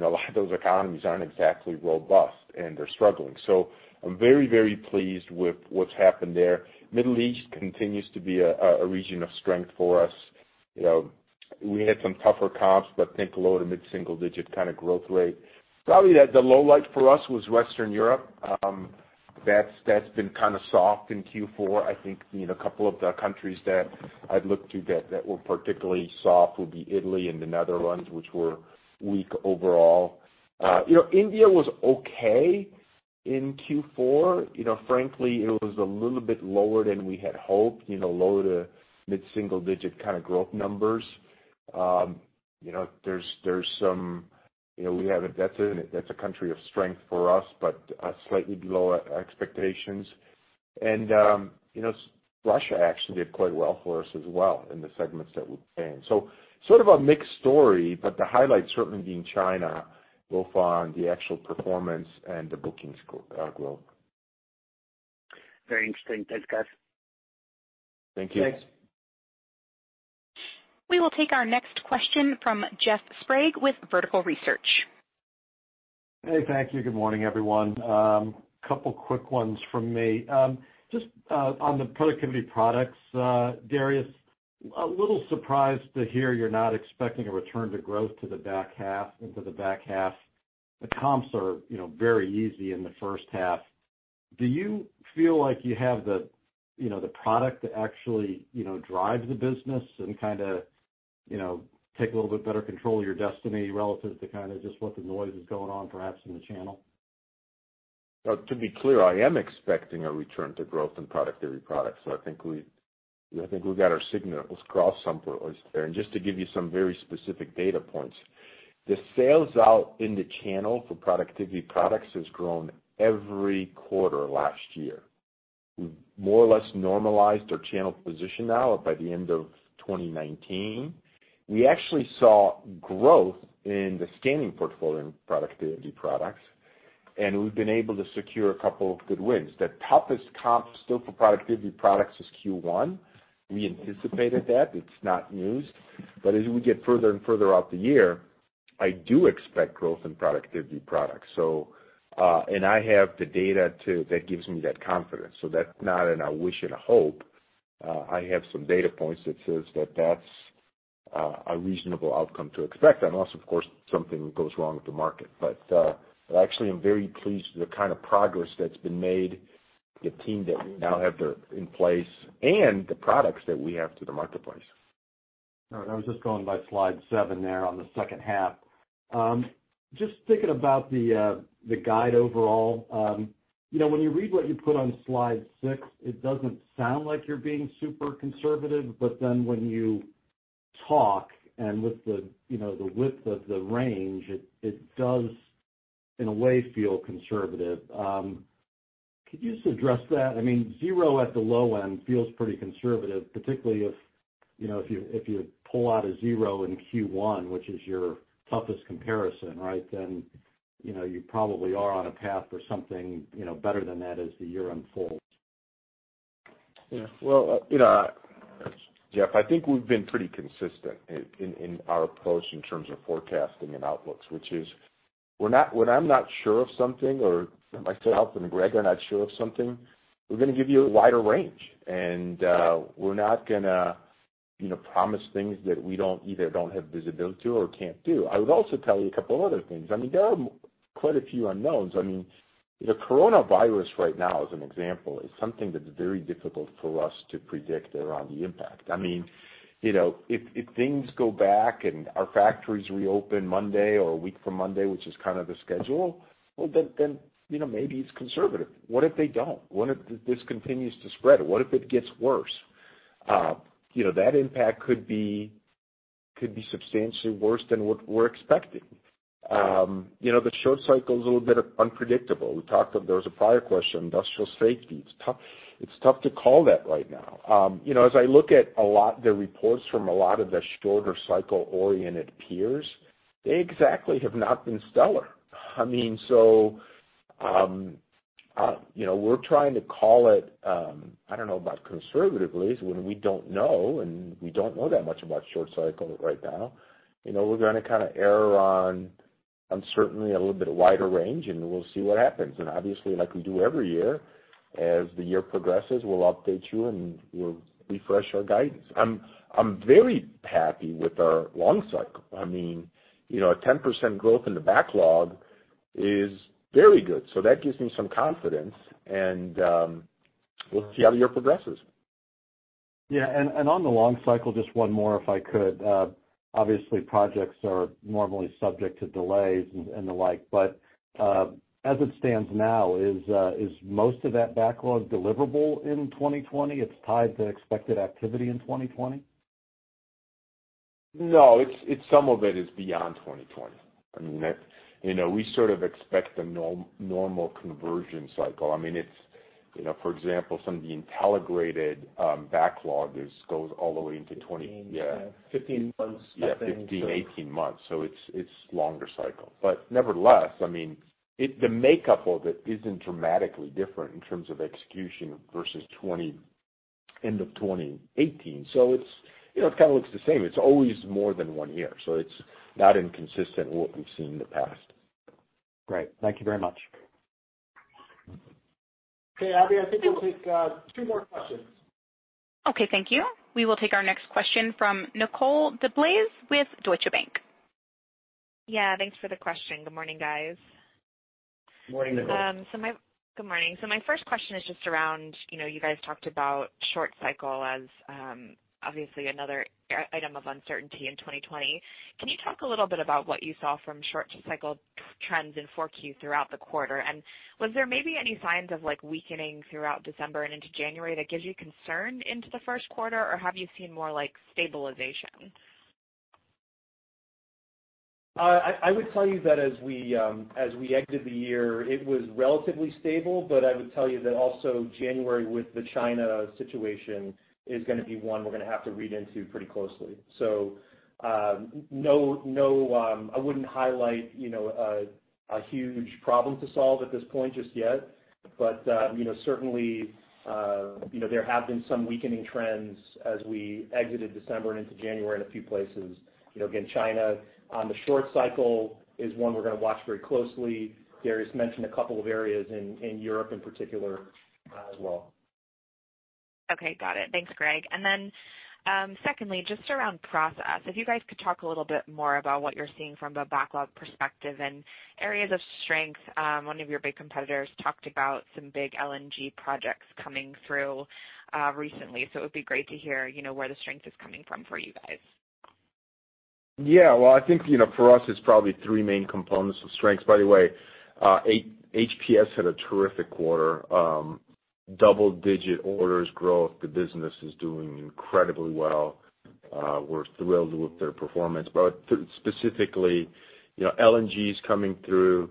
a lot of those economies aren't exactly robust and they're struggling. I'm very pleased with what's happened there. Middle East continues to be a region of strength for us. We had some tougher comps, but I think low-to-mid single digit kind of growth rate. Probably the low light for us was Western Europe. That's been kind of soft in Q4. I think a couple of the countries that I'd look to that were particularly soft would be Italy and the Netherlands, which were weak overall. India was okay in Q4. Frankly, it was a little bit lower than we had hoped, low-to-mid single digit kind of growth numbers. That's a country of strength for us, but slightly below expectations. Russia actually did quite well for us as well in the segments that we play in. Sort of a mixed story, but the highlight certainly being China, both on the actual performance and the bookings growth. Very interesting. Thanks, guys. Thank you. Thanks. We will take our next question from Jeff Sprague with Vertical Research. Hey, thank you. Good morning, everyone. Couple quick ones from me. Just on the Productivity products, Darius, a little surprised to hear you're not expecting a return to growth into the back half. The comps are very easy in the first half. Do you feel like you have the product to actually drive the business and kind of take a little bit better control of your destiny relative to kind of just what the noise is going on perhaps in the channel? To be clear, I am expecting a return to growth in Productivity products, so I think we've got our signals crossed somewhere there. Just to give you some very specific data points, the sales out in the channel for Productivity products has grown every quarter last year. We've more or less normalized our channel position now by the end of 2019. We actually saw growth in the scanning portfolio in Productivity products, and we've been able to secure a couple of good wins. The toughest comp still for Productivity products is Q1. We anticipated that. It's not news. As we get further and further out the year, I do expect growth in Productivity products. I have the data that gives me that confidence. That's not a wish and a hope. I have some data points that says that's a reasonable outcome to expect, unless of course, something goes wrong with the market. Actually, I'm very pleased with the kind of progress that's been made, the team that we now have in place, and the products that we have to the marketplace. All right. I was just going by slide seven there on the second half. Just thinking about the guide overall. When you read what you put on slide six, it doesn't sound like you're being super conservative, but then when you talk and with the width of the range, it does in a way feel conservative. Could you just address that? Zero at the low end feels pretty conservative, particularly if you pull out a zero in Q1, which is your toughest comparison, then you probably are on a path for something better than that as the year unfolds. Well, Jeff, I think we've been pretty consistent in our approach in terms of forecasting and outlooks, which is when I'm not sure of something, or myself and Greg are not sure of something, we're going to give you a wider range. We're not going to promise things that we either don't have visibility to or can't do. I would also tell you a couple other things. There are quite a few unknowns. The coronavirus right now, as an example, is something that's very difficult for us to predict around the impact. If things go back and our factories reopen Monday or a week from Monday, which is kind of the schedule, well, then maybe it's conservative. What if they don't? What if this continues to spread? What if it gets worse? That impact could be substantially worse than what we're expecting. The short cycle's a little bit unpredictable. We talked, there was a prior question, industrial safety. It's tough to call that right now. As I look at the reports from a lot of the shorter cycle-oriented peers, they exactly have not been stellar. We're trying to call it, I don't know about conservatively, is when we don't know, and we don't know that much about short cycle right now. We're going to kind of err on uncertainty, a little bit wider range, and we'll see what happens. Obviously, like we do every year, as the year progresses, we'll update you, and we'll refresh our guidance. I'm very happy with our long cycle. A 10% growth in the backlog is very good. That gives me some confidence, and we'll see how the year progresses. Yeah. On the long cycle, just one more, if I could. Obviously, projects are normally subject to delays and the like, but as it stands now, is most of that backlog deliverable in 2020? It's tied to expected activity in 2020? No, some of it is beyond 2020. We sort of expect the normal conversion cycle. For example, some of the Intelligrated backlogs goes all the way into 20- 15. Yeah. 15 months, I think. Yeah, 15, 18 months. It's longer cycle. Nevertheless, the makeup of it isn't dramatically different in terms of execution versus end of 2018. It kind of looks the same. It's always more than one year, it's not inconsistent with what we've seen in the past. Great. Thank you very much. Okay, Abby, I think we'll take two more questions. Okay, thank you. We will take our next question from Nicole DeBlase with Deutsche Bank. Yeah, thanks for the question. Good morning, guys. Good morning, Nicole. Good morning. My first question is just around, you guys talked about short cycle as obviously another item of uncertainty in 2020. Can you talk a little bit about what you saw from short cycle trends in 4Q throughout the quarter? Was there maybe any signs of weakening throughout December and into January that gives you concern into the first quarter, or have you seen more stabilization? I would tell you that as we exited the year, it was relatively stable. I would tell you that also January with the China situation is going to be one we're going to have to read into pretty closely. I wouldn't highlight a huge problem to solve at this point just yet. Certainly, there have been some weakening trends as we exited December and into January in a few places. Again, China on the short cycle is one we're going to watch very closely. Darius mentioned a couple of areas in Europe in particular as well. Okay. Got it. Thanks, Greg. Secondly, just around process. If you guys could talk a little bit more about what you're seeing from the backlog perspective and areas of strength. One of your big competitors talked about some big LNG projects coming through recently, so it would be great to hear where the strength is coming from for you guys. Yeah. Well, I think for us, it's probably three main components of strengths. By the way, HPS had a terrific quarter. Double-digit orders growth. The business is doing incredibly well. We're thrilled with their performance. Specifically, LNG's coming through.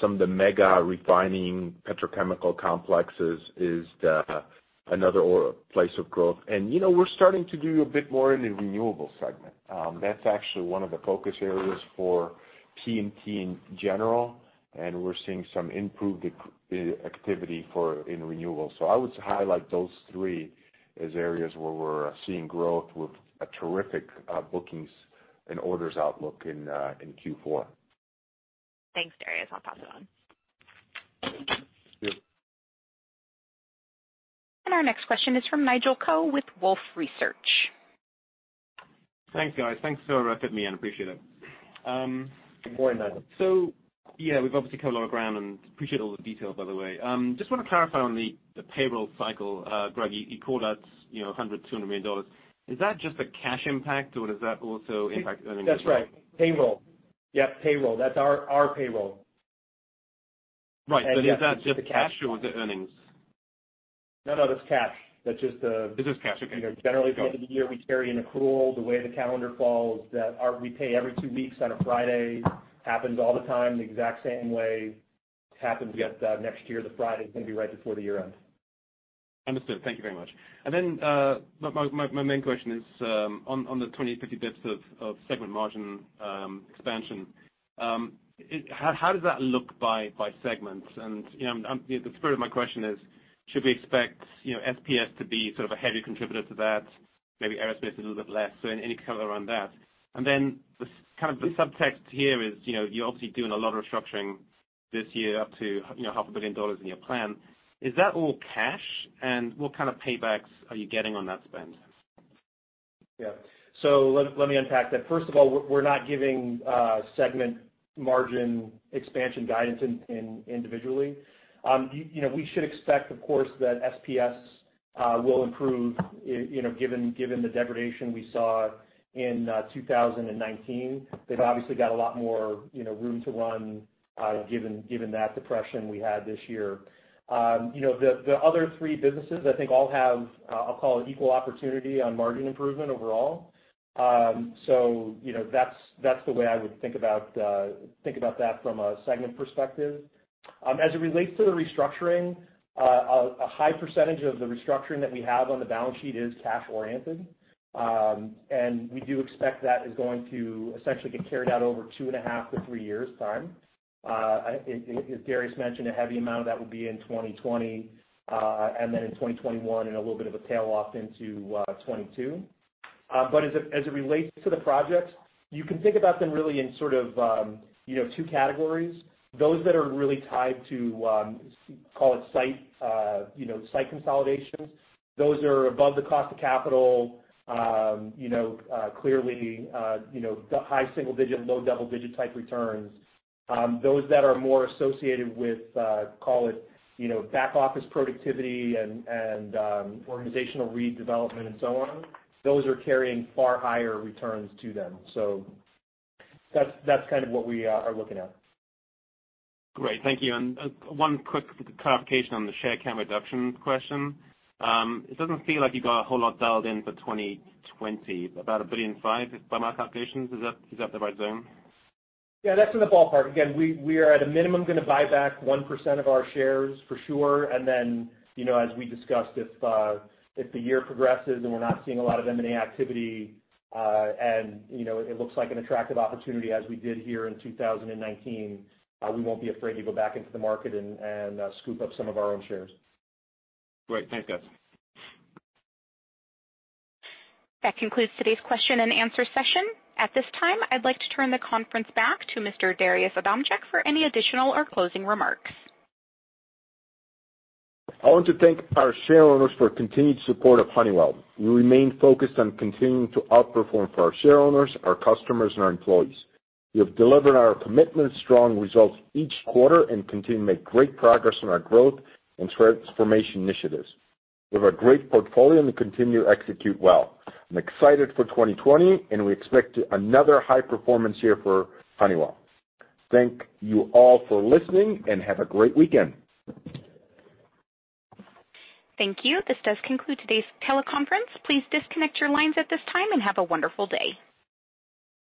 Some of the mega refining petrochemical complexes is another place of growth. We're starting to do a bit more in the renewable segment. That's actually one of the focus areas for PMT in general, and we're seeing some improved activity in renewables. I would highlight those three as areas where we're seeing growth with a terrific bookings and orders outlook in Q4. Thanks, Darius. I'll pass it on. Sure. Our next question is from Nigel Coe with Wolfe Research. Thanks, guys. Thanks for fitting me in, appreciate it. Good morning, Nigel. Yeah, we've obviously covered a lot of ground, and appreciate all the details, by the way. Just want to clarify on the payroll cycle. Greg, you called out $100, $200 million. Is that just a cash impact, or does that also impact earnings? That's right. Payroll. Yep, payroll. That's our payroll. Right. Is that just cash or with the earnings? No, that's cash. It's just cash. Okay. Got it. Generally, at the end of the year, we carry an accrual. The way the calendar falls, we pay every two weeks on a Friday. Happens all the time, the exact same way. Happens next year, the Friday is going to be right before the year end. Understood. Thank you very much. My main question is on the 20-50 basis points of segment margin expansion. How does that look by segments? The spirit of my question is, should we expect SPS to be sort of a heavy contributor to that, maybe Aerospace a little bit less? Any color around that. The subtext here is, you're obviously doing a lot of restructuring this year, up to $0.5 billion In your plan. Is that all cash, and what kind of paybacks are you getting on that spend? Yeah. Let me unpack that. First of all, we're not giving segment margin expansion guidance individually. We should expect, of course, that SPS will improve, given the degradation we saw in 2019. They've obviously got a lot more room to run, given that depression we had this year. The other three businesses, I think all have, I'll call it equal opportunity on margin improvement overall. That's the way I would think about that from a segment perspective. As it relates to the restructuring, a high percentage of the restructuring that we have on the balance sheet is cash-oriented. We do expect that is going to essentially get carried out over two and a half to three years' time. As Darius mentioned, a heavy amount of that will be in 2020, and then in 2021, and a little bit of a tail off into 2022. As it relates to the projects, you can think about them really in sort of two categories. Those that are really tied to, call it site consolidations, those are above the cost of capital, clearly high-single-digit, low-double-digit type returns. Those that are more associated with, call it back office productivity and organizational redevelopment and so on, those are carrying far higher returns to them. That's kind of what we are looking at. Great. Thank you. One quick clarification on the share count reduction question. It doesn't feel like you got a whole lot dialed in for 2020, about $1.5 billion by my calculations. Is that the right zone? Yeah, that's in the ballpark. Again, we are at a minimum going to buy back 1% of our shares for sure. As we discussed, if the year progresses and we're not seeing a lot of M&A activity, it looks like an attractive opportunity as we did here in 2019, we won't be afraid to go back into the market and scoop up some of our own shares. Great. Thanks, guys. That concludes today's question and answer session. At this time, I'd like to turn the conference back to Mr. Darius Adamczyk for any additional or closing remarks. I want to thank our shareholders for continued support of Honeywell. We remain focused on continuing to outperform for our shareholders, our customers, and our employees. We have delivered on our commitment to strong results each quarter and continue to make great progress on our growth and transformation initiatives. We have a great portfolio, and we continue to execute well. I'm excited for 2020, and we expect another high-performance year for Honeywell. Thank you all for listening, and have a great weekend. Thank you. This does conclude today's teleconference. Please disconnect your lines at this time and have a wonderful day.